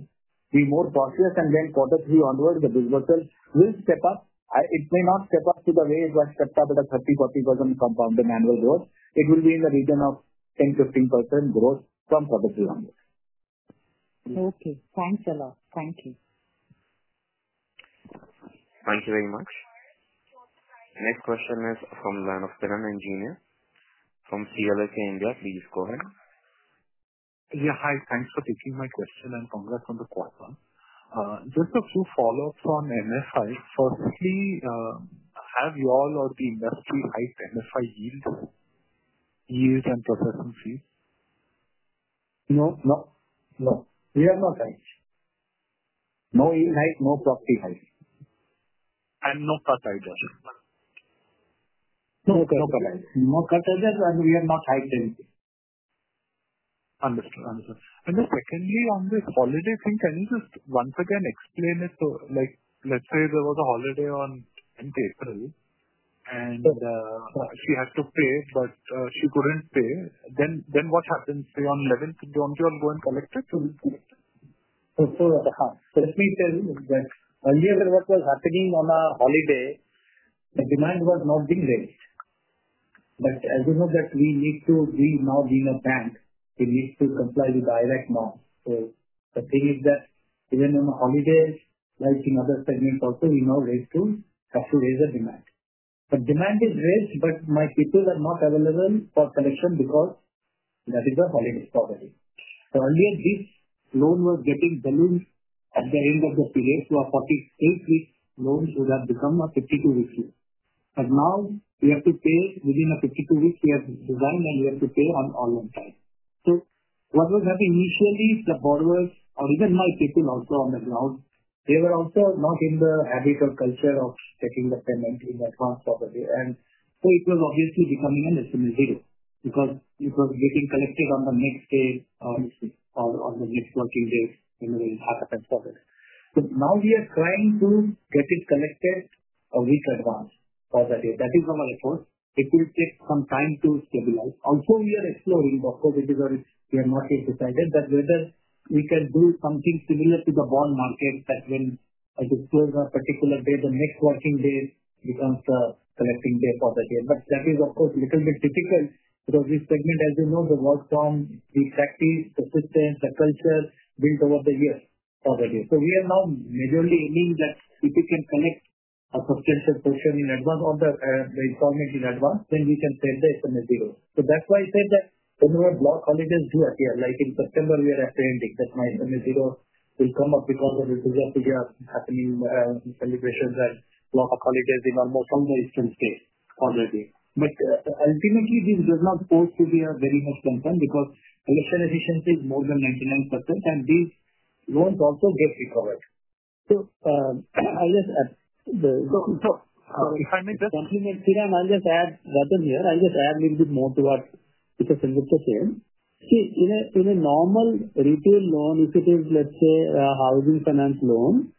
be more cautious and then quarter three onwards, the dispersal will step up. I it may not step up to the way it was set up with the 3040% compound annual growth. It will be in the region of 1015% growth from public loan. Okay. Thanks a lot. Thank you. Thank you very much. Next question is from the line of from CLK India. Please go ahead. Yeah. Hi. Thanks for taking my question, and congrats on the quarter. Just a few follow ups on MFI. Firstly, have you all or the industry hype MFI yield? Yield and processing fee? She couldn't pay. Then then what happens? Say on eleventh, don't you all go and collect it? So let me tell you that earlier what was happening on a holiday, the demand was not being raised. But as you know that we need to we now being a bank. We need to comply with direct law. So the thing is that even on holidays, like, you know, segment also, we know we have to have to raise the demand. The demand is raised, but my people are not available for collection because that is a holiday property. So earlier this loan was getting ballooned at the end of the period to a forty eight week loan would have become a 52 weekly. But now, we have to pay within a 52 week. We have designed and we have to pay on our own time. So what was that initially, the borrowers or even my people also on the ground, they were also not in the habit of culture of taking the payment in advance of the day. And so it was obviously becoming an estimated because it was getting collected on the next day, obviously, on on the next working day, you know, happen and stuff. But now we are trying to get it connected a week advance for the day. That is our report. It will take some time to stabilize. Also, are exploring, of course, it is already we are not yet decided that whether we can do something similar to the bond market that will disclose a particular day, the next working day becomes connecting day for the year. But that is, of course, little bit difficult because this segment, as you know, the work from the factory, the system, the culture built over the year for the year. So we are now majorly aiming that if we can connect a subscription portion in advance of the the information advance, then we can send the SMS zero. So that's why I said that, when we have block holidays do appear, like in September, we are attending that my SMS zero will come up because of the results we are is happening in celebrations and local holidays in almost some way still stay already. But, ultimately, this does not go to be a very much concern because election efficiency is more than 99%, and this won't also get recovered. So I just add the So so if I make this Continue, Kiran, I'll just add rather here. I'll just add little bit more to what because it's just same. See, in a in a normal retail loan, if it is, let's say, a housing finance loan,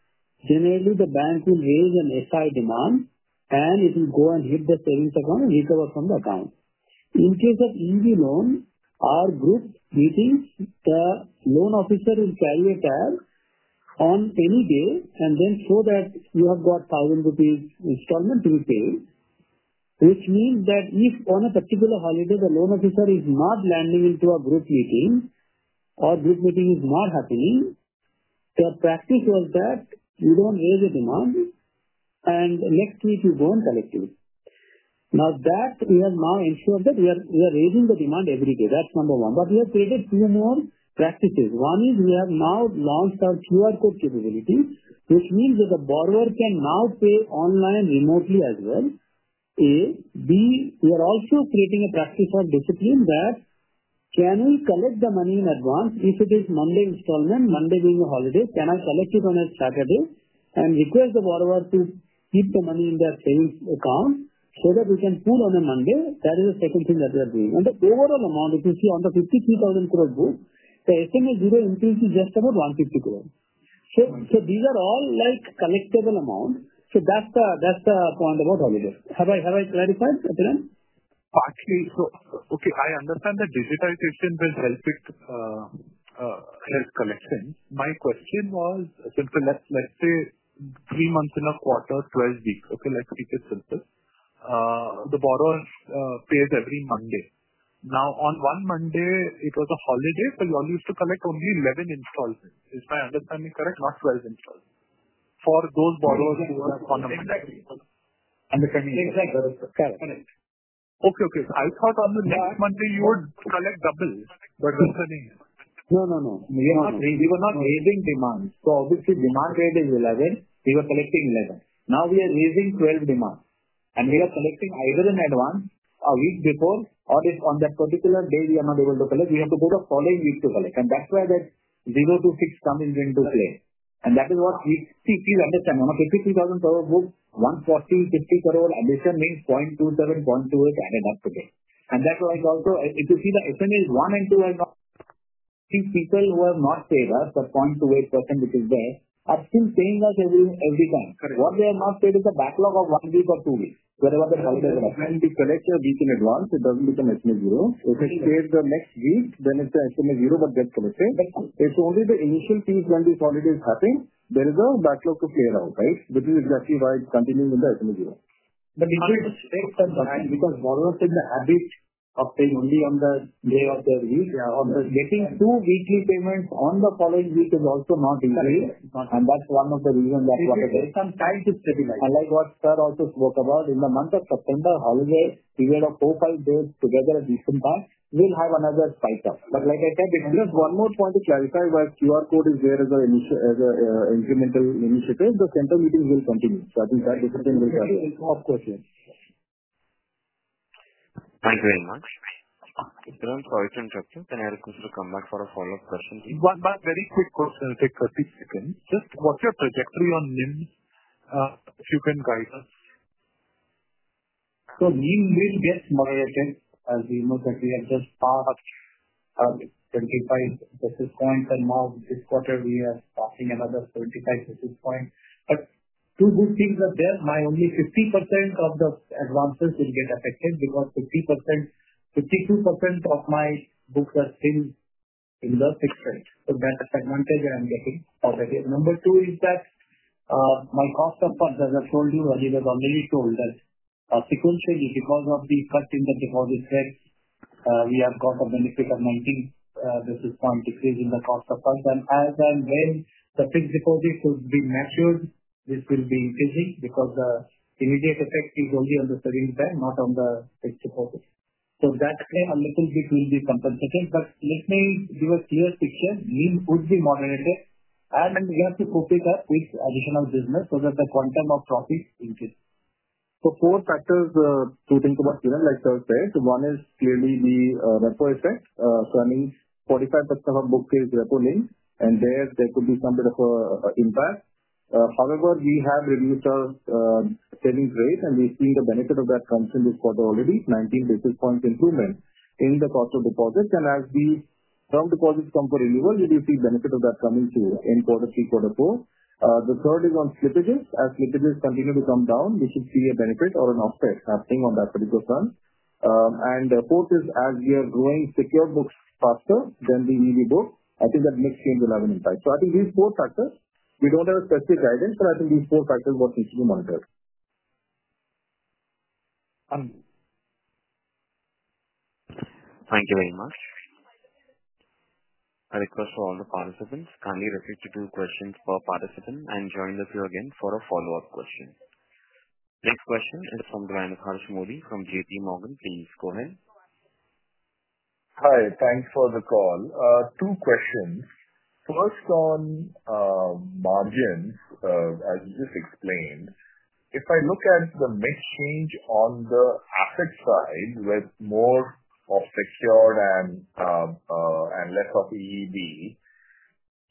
generally the bank will raise an SI demand and it will go and hit the savings account and recover from the account. In case of easy loan, our group meeting, the loan officer will carry a tag on any day and then show that you have got thousand rupees installment to be paid. Which means that if on a particular holiday, the loan officer is not landing into a group meeting or group meeting is not happening, the practice was that you don't raise the demand and next week you don't collect it. Now that we have now ensured that we are we are raising the demand everyday. That's number one. But we have created two more practices. One is we have now launched our QR code capability, which means that the borrower can now pay online remotely as well. A b, we are also creating a practice of discipline that can we collect the money in advance if it is Monday installment, Monday being a holiday, can I collect it on a Saturday and request the borrower to keep the money in their savings account so that we can pull on a Monday? That is the second thing that we are doing. And the overall amount, if you see on the 53,000 crore group, the estimate zero increase is just about $1.50 crore. So so these are all, like, collectible amount. So that's the that's the point about all of this. Have I have I clarified, Actually, so okay. I understand that digitization will help it help collection. My question was, let's let's say, three months in a quarter, 12. Okay. Let's speak it simple. The borrower pays every Monday. Now on one Monday, it was a holiday, so you all used to collect only 11 installments. Is my understanding correct? Not 12 installments. For those borrowers who are on the bank. And the convenience. Exactly. Correct. Correct. Okay. Okay. I thought on the next month, you would collect double. But we're sending it. No. No. No. Are not we we were not raising demand. So, obviously, demand rate is 11. We were collecting 11. Now we are raising 12 demand, and we are collecting either in advance a week before or if on that particular day, we are not able to collect. We have to go to following week to collect, and that's why that zero to six come in into play. And that is what we see, please understand. On a 52,000 per group, $1.40 50 per hour admission means point two seven point two is added up to date. And that's why it's also if you see the SME one and two are not these people who have not paid us the point to 8% which is there are still paying us every every time. What they have not paid is a backlog of one week or two weeks. Whatever the. And we collect your week in advance, it doesn't become estimate zero. If it's paid the next week, then it's the estimate zero, but that's the same. It's only the initial fees when this holiday is happening. There is a backlog to pay out. Right? Which is exactly why it's continuing in the. But we don't expect that because borrowers in the habit of paying only on the day of the week. Yeah. Or they're getting two weekly payments on the following week is also not in the And that's one of the reason that what it is. Some time to study. I like what sir also spoke about in the month of September holiday, we get a profile date together at least in time. We'll have another spike up. But like I said, it's just one more point to clarify, while QR code is there as a initial as a incremental initiative, the center meeting will continue. So I think that is the thing we'll have. Of course, yes. Thank you very much. Sir, I'm sorry to interrupt you. Can I request you to come back for a follow-up question, please? One more very quick question. It'll take thirty seconds. Just what's your trajectory on NIM if you can guide us? So we will get more urgent as we know that we have just passed 25 basis points and now this quarter we are passing another 25 basis points. But two good things are there. My only 50% of the advances will get affected because 5052% of my book has been in the fixed rate. So that's the advantage that I'm getting already. Number two is that my cost of funds, as I told you, Rajiv, I've already told that sequentially, because of the cut in the deposit rates, we have got a benefit of 19. This is point decrease in the cost of funds. And as and when the fixed deposit will be matured, this will be increasing because immediate effect is only on the setting time, not on the fixed deposit. So that claim, a little bit will be compensated, but let me give a clear picture. Lean would be more than a day, and we have to put it up with additional business so that the quantum of profit increase. So four factors two things about, you know, like I said, the one is clearly the report effect. So, I mean, 45% of book sales rep only, and there there could be some bit of a impact. However, we have reduced our selling rate and we see the benefit of that comes in this quarter already, 19 basis points improvement in the cost of deposits. And as we some deposits come for renewal, you will see benefit of that coming through in quarter three, quarter four. The third is on slippages. As slippages continue to come down, we should see a benefit or an offset happening on that particular front. And the fourth is as we are growing secure books faster than the EV book, I think that mix change will have an impact. So I think these four factors, we don't have a specific guidance, but I think these four factors what needs to be monitored. Thank you very much. I request for all the participants. Kindly repeat to two questions per participant and join the queue again for a follow-up question. Next question is from from JPMorgan. Please go ahead. Thanks for the call. Two questions. First on margins, as you just explained, if I look at the mix change on the asset side with more of secured and and less of EED,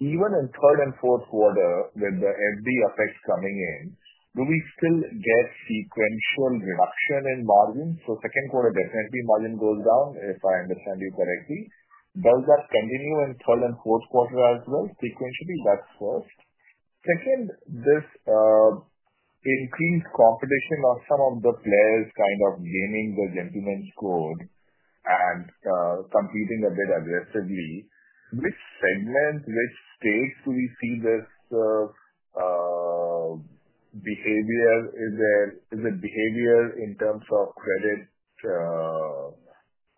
even in third and fourth quarter, with the FD effects coming in, do we still get sequential reduction in margin? So second quarter, definitely, margin goes down, if I understand you correctly. Does that continue in third and fourth quarter as well, sequentially? That's first. Second, this increased competition of some of the players kind of gaining the gentleman's code and competing a bit aggressively. Which segment, which states do we see this behavior? Is there is it behavior in terms of credit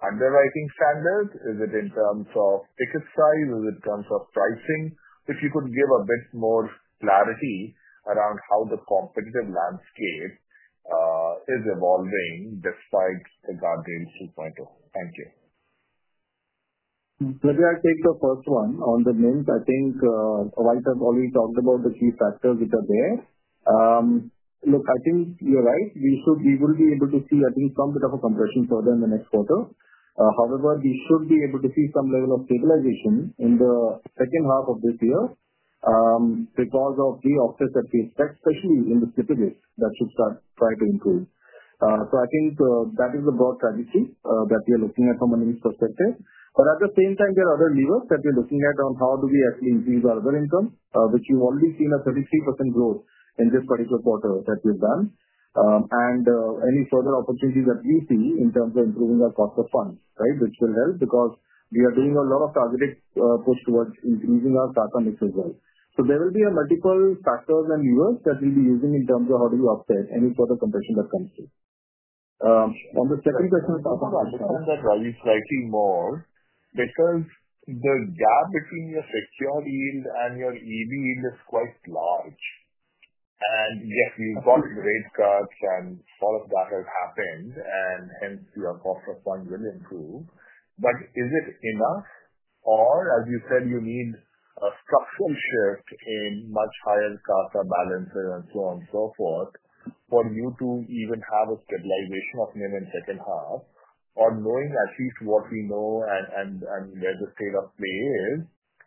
underwriting standards? Is it in terms of ticket size? Is it terms of pricing? If you could give a bit more clarity around how the competitive landscape is evolving despite the Guardian two point o. Thank you. Maybe I'll take the first one on the NIM. I think, while I've already talked about the key factors which are there, look, I think you're right. We should be able to see, I think, some bit of a compression further in the next quarter. However, we should be able to see some level of stabilization in the second half of this year because of the offset that we expect, especially in the slippage that should start trying to improve. So I think that is the broad strategy that we are looking at from a money perspective. But at the same time, there are other levers that we're looking at on how do we actually increase our other income, which you've already seen a 33% growth in this particular quarter that we've done. And any further opportunities that we see in terms of improving our cost of funds, Right? Which will help because we are doing a lot of targeted push towards increasing our data mix as well. So there will be a multiple factors and years that we'll be using in terms of how do you update any sort of compression that comes through. On the second question I'm understanding that, Raji, slightly more because the gap between your secured yield and your EV yield is quite large. And, yes, we've got rate cuts and all of that has happened and hence, your cost of funds will improve. But is it enough? Or as you said, you need a structural shift in much higher cost of balances and so on and so forth For you to even have a stabilization of NIM in second half, on knowing at least what we know and and and where the state of play is,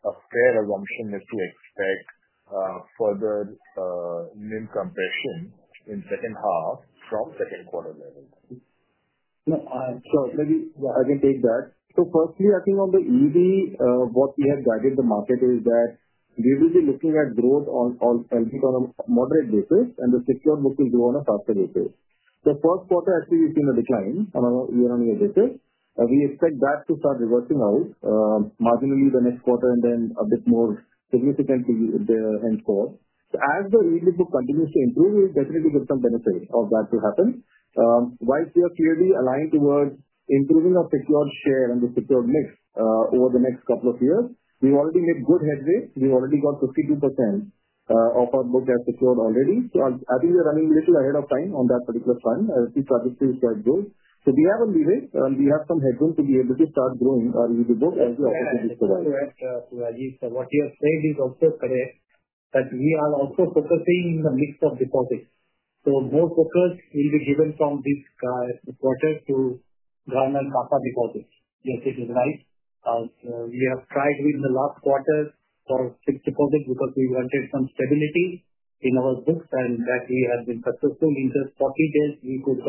a fair assumption is to expect further NIM compression in second half from second quarter level. No. I'm sure. Maybe I can take that. So firstly, think on the EV, what we have guided the market is that we will be looking at growth on on I think on a moderate basis and the secure book will do on a faster basis. The first quarter actually has seen a decline on a year on year basis. We expect that to start reversing out marginally the next quarter and then a bit more significantly the end call. So as the readable book continues to improve, we definitely get some benefit of that to happen. While we are clearly aligned towards improving our secured share and the secured mix over the next couple of years, We already made good headway. We already got 52% of our book as secured already. So I think we're running a little ahead of time on that particular fund as we try to do. So we have a limit, and we have some headroom to be able to start growing our EBITDA growth as we are able to provide. To Rajeev. So what you are saying is also correct that we are also focusing in the mix of deposits. So more brokers will be given from this quarter to run and buffer deposits. Yes. It is right. We have tried within the last quarter for six deposits because we wanted some stability in our books and that we have been successful in the forty days. We could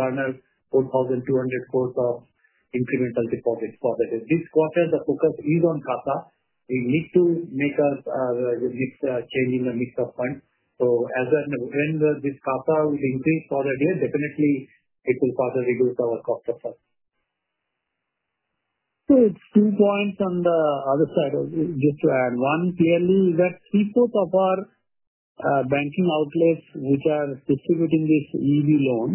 garner 4,200 course of incremental deposit for that. This quarter, the focus is on Tata. We need to make up the mix change in the mix of funds. So as a when this Kapha will increase for the day, definitely, it will further reduce our cost of that. So it's two points on the other side of this. Just to add one, clearly, that people of our banking outlets, which are distributing this EV loan,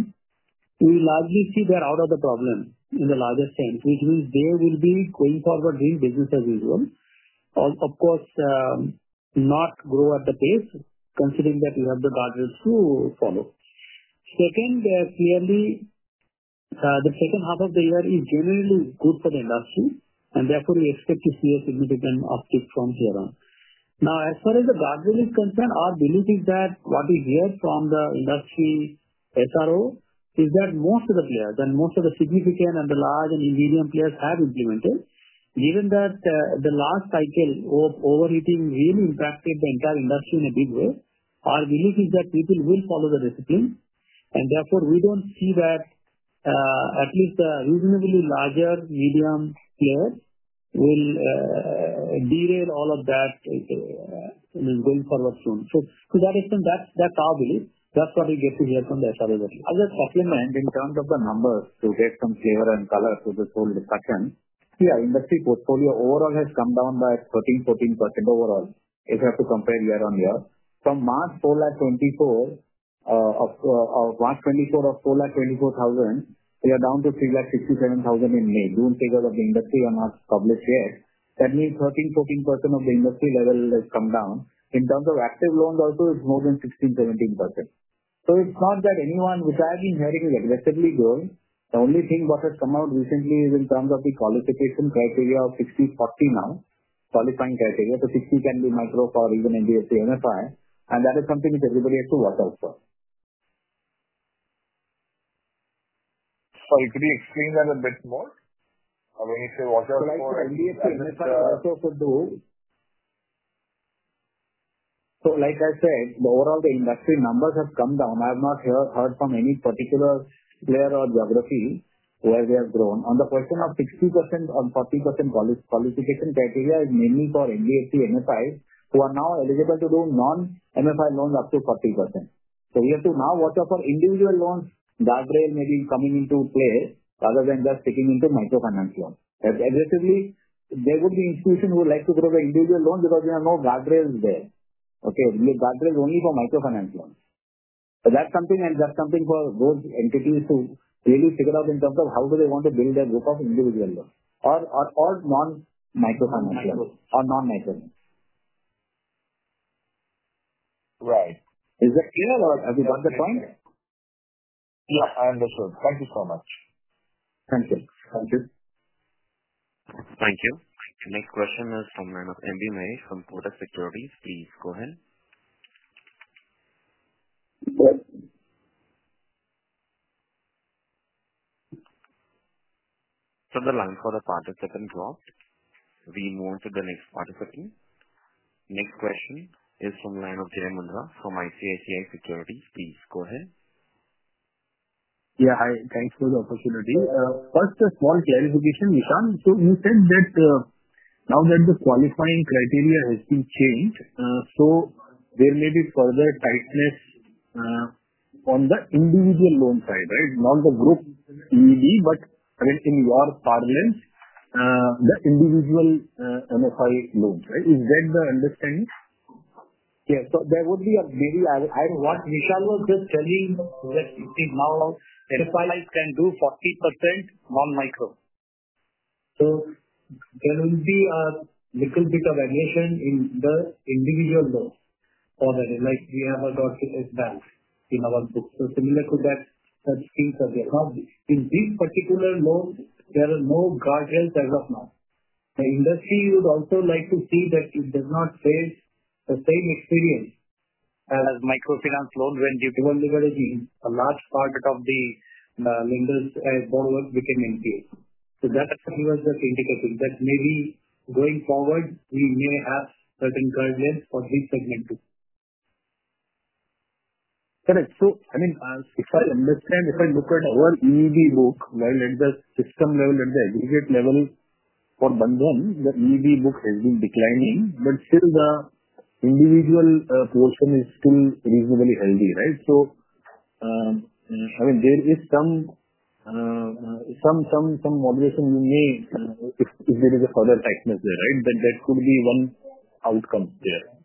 we largely see that out of the problem in the largest sense, which means they will be going forward in business as usual. Of course, not grow at the pace considering that we have the targets to follow. Second, clearly, the second half of the year is generally good for the industry, and therefore, we expect to see a significant uptick from here on. Now as far as the guardrail is concerned, our belief is that what we hear from the industry SRO is that most of the players and most of the significant and the large and medium players have implemented. Even that the last cycle of overheating really impacted the entire industry in a big way. Our belief is that people will follow the discipline and therefore we don't see that at least reasonably larger medium player will be there all of that. It will go forward soon. So to that extent, that's that's our belief. That's what we get to hear from the. Other supplement, in terms of the numbers to get some flavor and color to this whole discussion, yeah, industry portfolio overall has come down by 14% overall. If you have to compare year on year. From March four lakh twenty four of of March twenty four of four lakh twenty four thousand, we are down to three lakh sixty seven thousand in May. Do not take out of the industry or not published yet. That means 14% of the industry level has come down. In terms of active loan also, it's more than 17%. So it's not that anyone which has been hearing is aggressively doing. The only thing what has come out recently is in terms of the qualification criteria of sixty forty now, qualifying criteria. So 60 can be micro for even NDSP, that is something that everybody has to work out for. Sorry. Could you explain that a bit more? I mean, if you watch out So, for like I said, the overall the industry numbers have come down. I have not heard heard from any particular player or geography where they have grown. On the question of 60% on 40% qualification criteria is mainly for NBFC, NFI, who are now eligible to do non NFI loans up to 40%. So we have to now watch out for individual loans that may be coming into play rather than just sticking into microfinance loan. And and, basically, there would be institution who would like to grow the individual loan because there are no there. Okay. Only for microfinance loans. So that's something and that's something for those entities to really figure out in terms of how do they want to build their group of individual or or or non microfinance level or non microfinance. Right. Is that clear or have you got the point? Yep. I understood. Thank you so much. Thank you. Thank you. You. The next question is from the line of MB Mehra from Pota Securities. Please go ahead. Yes. So the line for the participant dropped, we move to the next participant. Next question is from the line of from ICICI Securities. Please go ahead. Yeah. Hi. Thanks for the opportunity. First, a small clarification, Nishan. So, you said that now that the qualifying criteria has been changed, so there may be further tightness on the individual loan side. Right? Not the group EV, but currently, you are parlance. The individual NFI loans. Right? Is that the understanding? Yes. So there would be a maybe I I want Michelle was just telling that you see now NFI can do 40% non micro. So there will be a little bit of variation in the individual loan already. Like, we have a lot of bank in our book. So similar to that, that scheme subject. Now, this particular loan, there are no guardrails as of now. The industry would also like to see that it does not save the same experience as microfinance loan when you give a large part of the lenders and borrowers became NPA. So that's what he was just indicating that maybe going forward, we may have certain credit for this segment too. Correct. So, I mean, as if I understand, if I look at our EV book, while at the system level and the aggregate level for Bandhan, that EV book has been declining, but still the individual portion is still reasonably healthy. Right? So, I mean, there is some some some some moderation you need if if there is a further tightness there. Right? Then there could be one outcome there.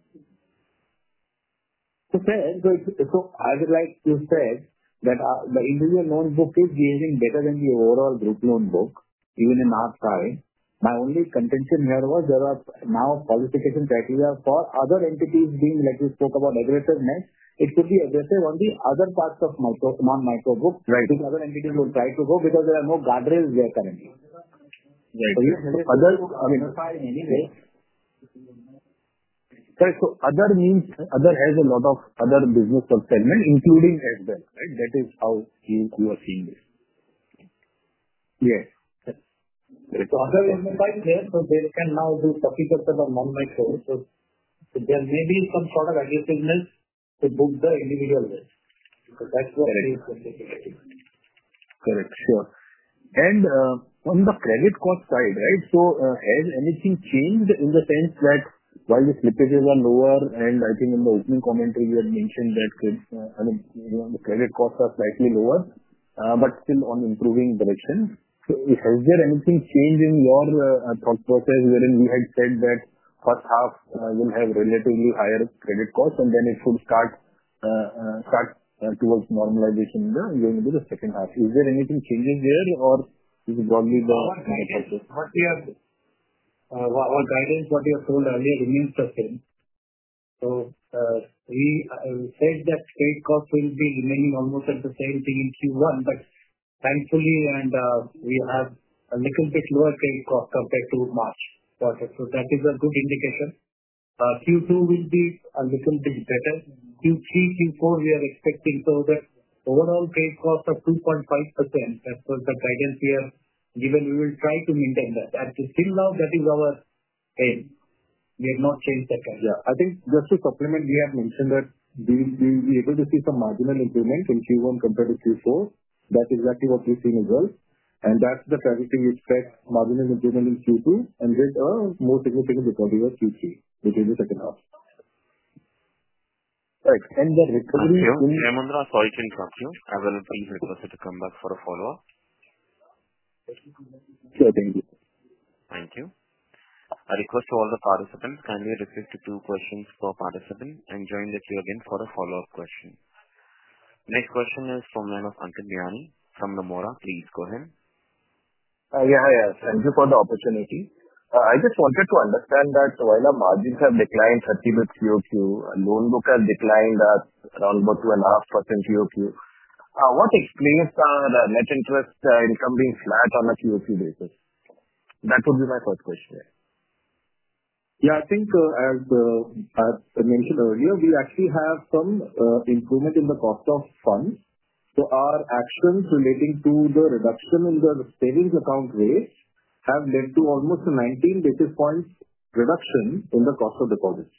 So, sir, so so I would like to say that the individual loan book is behaving better than the overall group loan book, even in our side. My only contention here was there are now qualification criteria for other entities being, like, spoke about aggressive net. It could be aggressive on the other parts of micro among micro group. Right. Because other entities will try to go because there are no guard rails there currently. So other means other has a lot of other business fulfillment including as well. Right? That is how you you are seeing this. Yes. So other is the right there, so they can now do 50% of online services. So there may be some sort of additional to book the individual there. That's what Correct. Sure. And on the credit cost side, right, so has anything changed in the sense that while the slippages are lower and I think in the opening commentary, you had mentioned that, mean, you know, the credit costs are slightly lower, but still on improving direction. So, is there anything changing your thought process wherein you had said that first half will have relatively higher credit cost, and then it should start start towards normalization there going into the second half. Is there anything changes there or is it only the What we are our guidance, what we have told earlier remains the same. So we I would say that trade cost will be remaining almost at the same thing in q one, but thankfully, and we have a little bit lower trade cost compared to March. Got it. So that is a good indication. Q two will be a little bit better. Q three, q four, we are expecting further. Overall credit cost of 2.5%, that's what the guidance we have given. We will try to maintain that. Actually, till now, that is our aim. We have not changed the time. Yeah. I think just to compliment, we have mentioned that we'll we'll be able to see some marginal improvement in q one compared to q four. That is exactly what we're seeing as well. And that's the targeting expect margin improvement in q two, and then a more significant recovery of q three, which is the second half. Right. And the recovery Okay. Ma'amundra, sorry to interrupt you. I will please request you to come back for a follow-up. Sure. Thank you. Thank you. A request to all the participants kindly repeat to two questions per participant and join the queue again for a follow-up question. Next question is from the line of from Nomura. Please go ahead. Yeah. Yeah. Thank you for the opportunity. I just wanted to understand that while the margins have declined 30 bps q o q, loan book has declined at around about two and a half percent q o q. What explains the net interest income being flat on a q o q basis? That would be my first question. I think as I mentioned earlier, we actually have some improvement in the cost of funds. So our actions relating to the reduction in the savings account rates have led to almost 19 basis points reduction in the cost of deposits.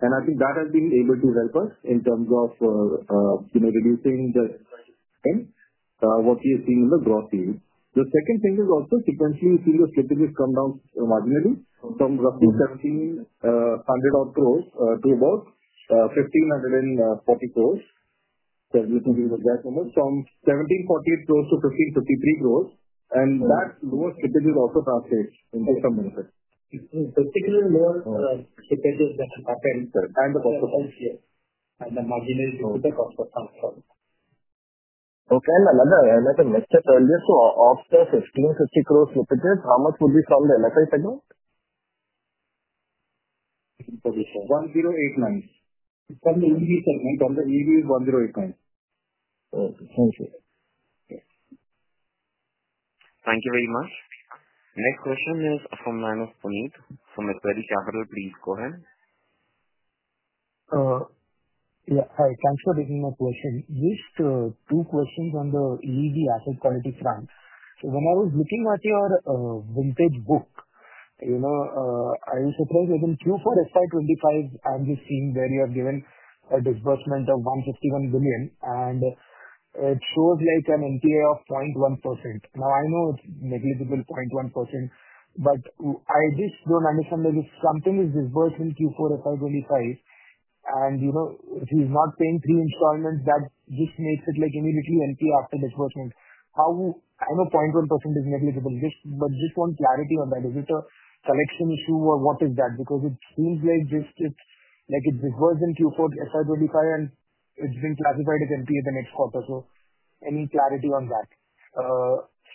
And I think that has been able to help us in terms of, you know, reducing the thing, what we are seeing in the gross deal. The second thing is also, sequentially, we feel the shipping has come down marginally from roughly 1,700 odd crores to about 1,540 crores. So we can give the maximum from $17.48 crores to $15.53 crores, and that lowest typically also passed in just a minute. Particularly more Alright. The changes that happened, sir, kind of also. And the margin is due to the cost of. Okay. As I mentioned earlier, so of the $15.50 crores, much would be from the? $1.00 $8.09. From the EV segment, on the EV is $1.00 $8.09. Okay. Thank you. Thank you very much. Next question is from the line of Puneet from Macquarie Capital. Please go ahead. Yeah. Hi. Thanks for taking my question. Just two questions on the easy asset quality front. So when I was looking at your vintage book, you know, I was surprised that in q four, it's like '25, I'm just seeing where you have given a disbursement of $151,000,000,000, and it shows, like, an NPA of point 1%. Now I know it's negligible point 1%, but I just don't understand that if something is reversed in q four, if I was only five, and, you know, if he's not paying three installments, that just makes it, like, immediately empty after disbursement. How I know point 1% is negligible. Just but just one clarity on that. Is it a collection issue or what is that? Because it seems like this it's, like, it's the version q four, if I verify and it's been classified as NPS the next quarter. So any clarity on that?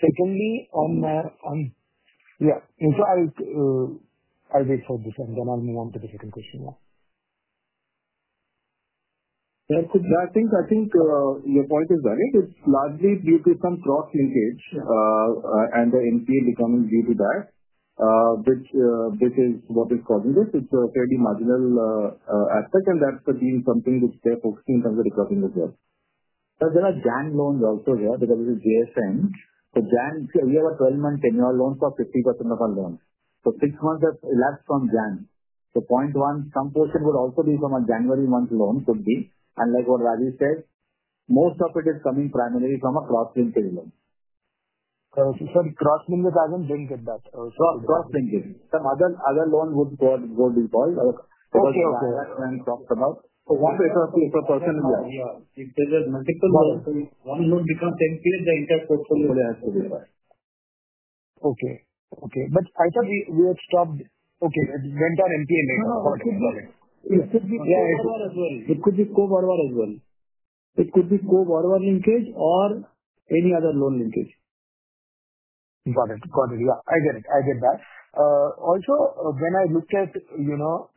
Secondly, on on yeah. And so I'll I'll wait for this, and then I'll move on to the second question. So I think I think your point is that it is largely due to some cross linkage and the NPL becoming due to that, which which is what is causing this. It's a fairly marginal aspect, and that's the deal something that they're focusing on the recording as well. So there are JAN loans also here, because there is a JSAN. So JAN, we have a twelve month tenure loan for 50% of our loans. So six months have elapsed from Jan. So point one, some portion would also be from a January month loan could be. And like what Raju said, most of it is coming primarily from a cross linked loan. Okay. So cross linked doesn't bring that back. Cross linked. Some other other loan would go go default. Okay okay. So one person is there. Yeah. If there is multiple loans, one loan becomes 10 ks, the entire portfolio has to be there. Okay. Okay. But I thought we we have stopped. Okay. It's been done. Could be Yeah. As well. It could be as well. It could be be linkage or any other loan linkage. Got it. Got it. Yeah. I get it. I get that. Also, when I look at, you know,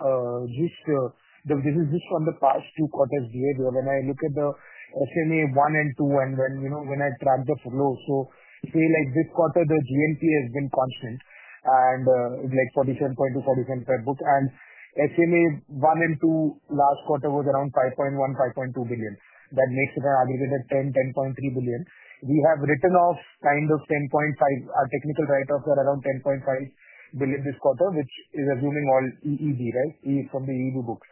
this this this from the past two quarters, I look at the SME one and two and then, you know, when I transfer flow. So say, like, this quarter, the GNP has been constant and, like, 47 to 47 per book. And SME one and two last quarter was around 5.1, 5,200,000,000. That makes it an average of ten, ten point three billion. We have written off kind of 10.5, our technical write offs were around 10 point 5,000,000,000 this quarter, which is assuming all EED, right, from the EED book.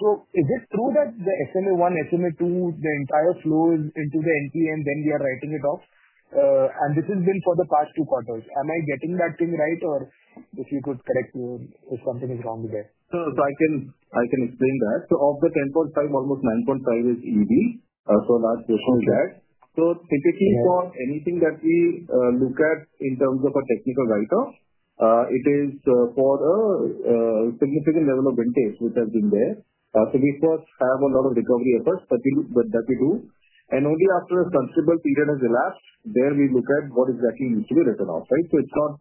So is it true that the SME one, SME two, the entire flow is into the NPM, then we are writing it off? And this has been for the past two quarters. Am I getting that thing right? Or if you could correct me if something is wrong with that. So so I can I can explain that? So of the 10.5, almost 9.5 is easy. So last question is that. So typically, for anything that we look at in terms of a technical write off, it is for a significant level of vintage, which has been there. So we first have a lot of recovery efforts that we do that that we do. And only after a considerable period has elapsed, there we look at what exactly needs to be written off. Right? So it's not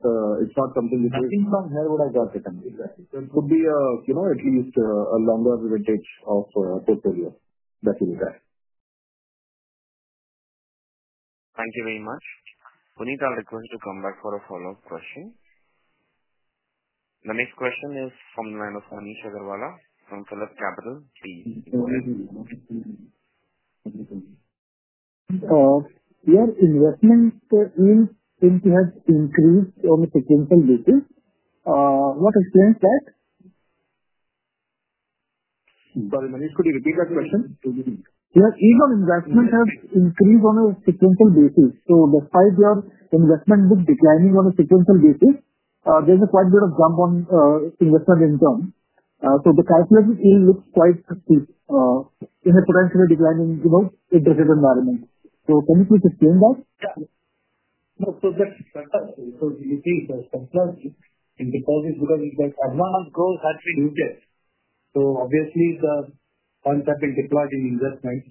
it's not something that we think from where would I go to company. Could be, you know, at least a longer vintage of portfolio that we will get. Thank you very much. Puneet, I'll request you to come back for a follow-up question. The next question is from the line of from Philip Capital. Your investment is is has increased on a sequential basis. What explains that? Sorry, Manish. Could you repeat that question? Your email investment has increased on a sequential basis. So the five year investment was declining on a sequential basis. There's a quite bit of jump on investment income. So the calculation is quite steep in a potentially declining, you know, in the current environment. So can you please explain that? Yeah. No. So that's that's that's so you see that's the in deposits because it's like advanced growth actually. So, obviously, the funds have been deployed in investment.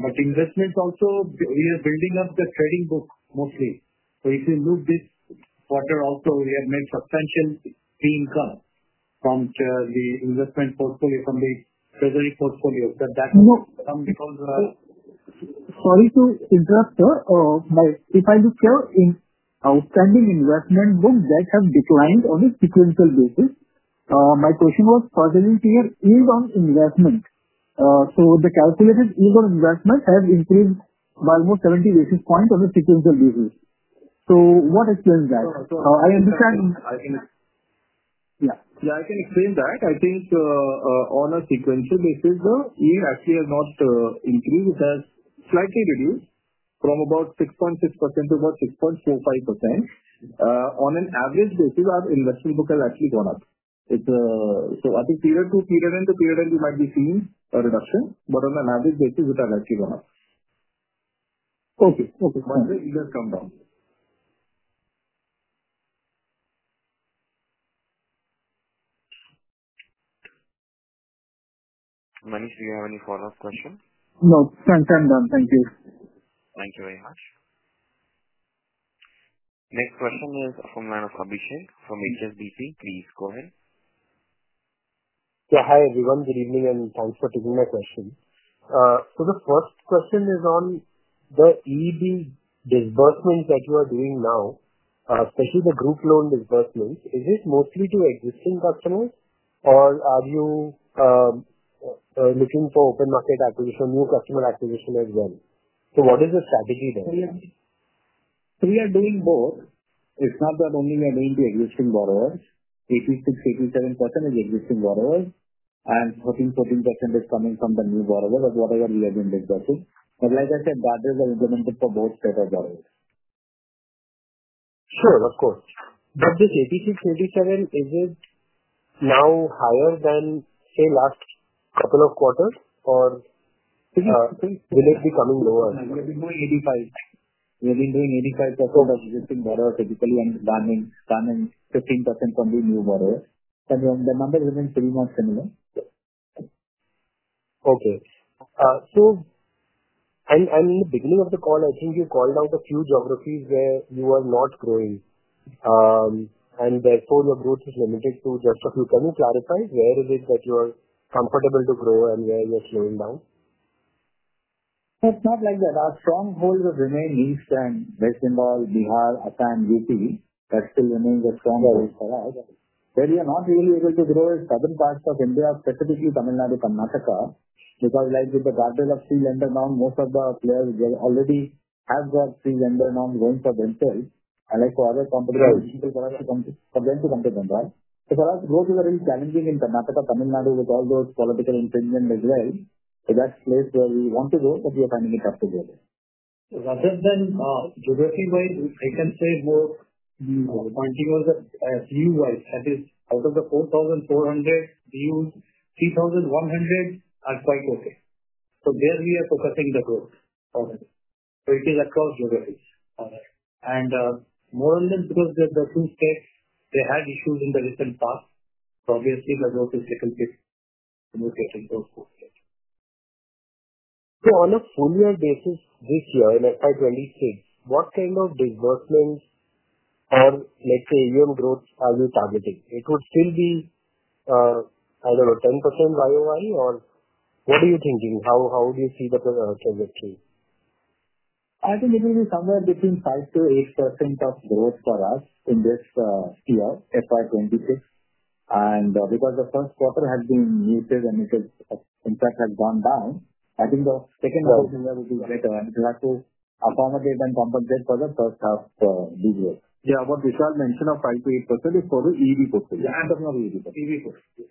But investments also, we are building up the trading book mostly. So if you lose this quarter also, we have made substantial fee income from the investment portfolio from the treasury portfolio. Does that come because of Sorry to interrupt, sir. My if I look here in outstanding investment book that has declined on a sequential basis, my question was furthering here is on investment. So the calculated is on investment has increased by more 70 basis points on the sequential basis. So what explains that? I understand I can yeah. Yeah. I can explain that. I think on a sequential basis, the we actually have not increased. It has slightly reduced from about 6.6% to about 6.25%. On an average basis, our investment book has actually gone up. It's so I think period two, period end to period end, we might be seeing a reduction, but on an average basis, it has actually gone up. Okay. Okay. Fine. You just come down. Manish, do you have any follow-up question? No. Thanks. I'm done. Thank you. Thank you very much. Next question is from the line of Abhishek from HSBC. Please go ahead. Yeah. Hi, everyone. Good evening, and thanks for taking my question. So the first question is on the EB disbursements that you are doing now, especially the group loan disbursements. Is it mostly to existing customers, or are you looking for open market acquisition, new customer acquisition as well? So what is the strategy then? We are doing both. It's not that only we are mainly existing borrowers. 86, 87% is existing borrowers, and 1414% is coming from the new borrowers of whatever you have been discussing. And like I said, that is a good one for both set of borrowers. Sure. Of course. But this eighty six eighty seven, is it now higher than, say, last couple of quarters? Or Yes. I think it be coming lower? We've been doing 85. We've been doing 85. That's all that's existing model typically and running running 15% from the new model. And then the number is in three months and then. Okay. So and and in the beginning of the call, I think you called out a few geographies where you are not growing. And therefore, your growth is limited to just a few. Can you clarify where is it that you are comfortable to grow and where you're slowing down? It's not like that. Our stronghold will remain East and Westinburg, Bihar, Assam, UPV. And I call it company for them come to them. Right? So for us, growth is a very challenging in the market of coming out with all those political impingement as well. So that's where we want to go, but we are coming it up together. Other than geographic way, I can say more, know, the point you are the as you like, I think out of the 4,400 views, 3,100 are quite okay. So there we are focusing the growth. So it is across geographies. Alright. And more than two of the the two states, they had issues in the recent past. Obviously, the growth is taken place. So So on a full year basis this year, in f I twenty six, what kind of disbursements are, like, the AUM growth are you targeting? It would still be, I don't know, 10% Y o Y or what are you thinking? How how do you see the trajectory? I think it will be somewhere between five to 8% of growth for us in this year, FY twenty six. And because the first quarter has been muted and it has impact has gone down, I think the second one is in there will be later and we have to accommodate and compensate for the first half. Yeah. What we shall mention of five to 8% is for the e b portfolio. Yeah. And of course, b portfolio.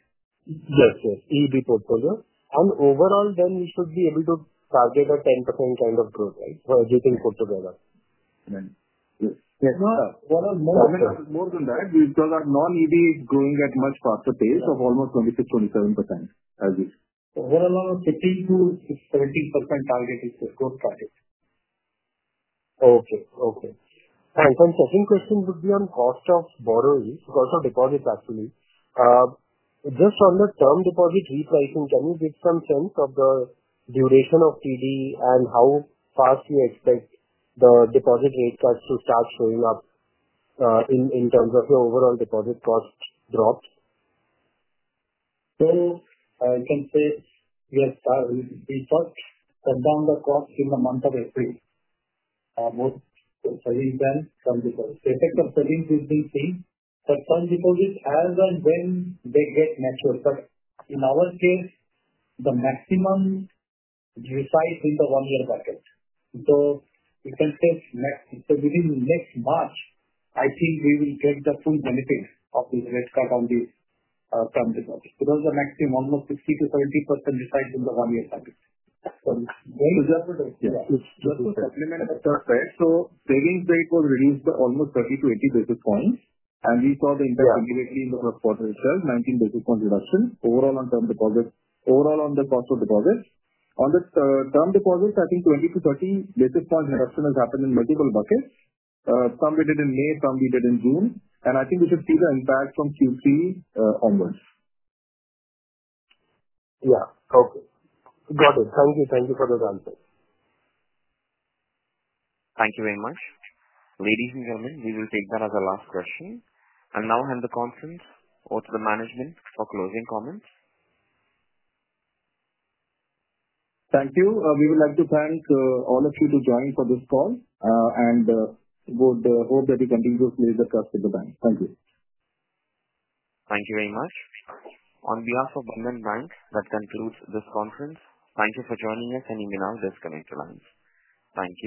Yes. E b portfolio. And overall, then we should be able to target a 10% kind of growth rate for everything put together. And then yes. Yes. No. What are more I mean, more than that, we thought that non EEB is growing at much faster pace of almost 26, 27% as is. Well, 52 to 70% target is the gross target. Okay. Okay. And and second question would be on cost of borrowing, cost of deposits actually. Just on the term deposit repricing, can you give some sense of the duration of TD and how fast you expect the deposit rate cuts to start showing up in in terms of your overall deposit cost drop? So I can say, yes, we thought that down the cost in the month of April. Most of the reason from the first. The effect of the reason we've been seeing, but some people get as of when they get natural. But in our case, the maximum you decide is the one year package. So we can take next so within next March, I think we will get the full benefit of this red card on the from the notes. So those are maximum almost 60 to 70% besides in the one year target. So savings rate was reduced by almost 30 to 80 basis points, and we saw the impact immediately in the quarter itself, 19 basis point reduction overall on term deposit overall on the partial deposit. On this term deposit, I think 20 to 30 basis point reduction has happened in multiple buckets. Some we did in May, some we did in June, and I think we should see the impact from q three onwards. Yeah. Okay. Got it. Thank you. Thank you for the answer. Thank you very much. Ladies and gentlemen, we will take that as a last question. And now hand the conference over to the management for closing comments. Thank you. We would like to thank all of you to join for this call and would hope that you continue to raise the trust of the bank. Thank you. Thank you very much. On behalf of Bank, that concludes this conference. Thank you for joining us, and you may now disconnect your lines. Thank you.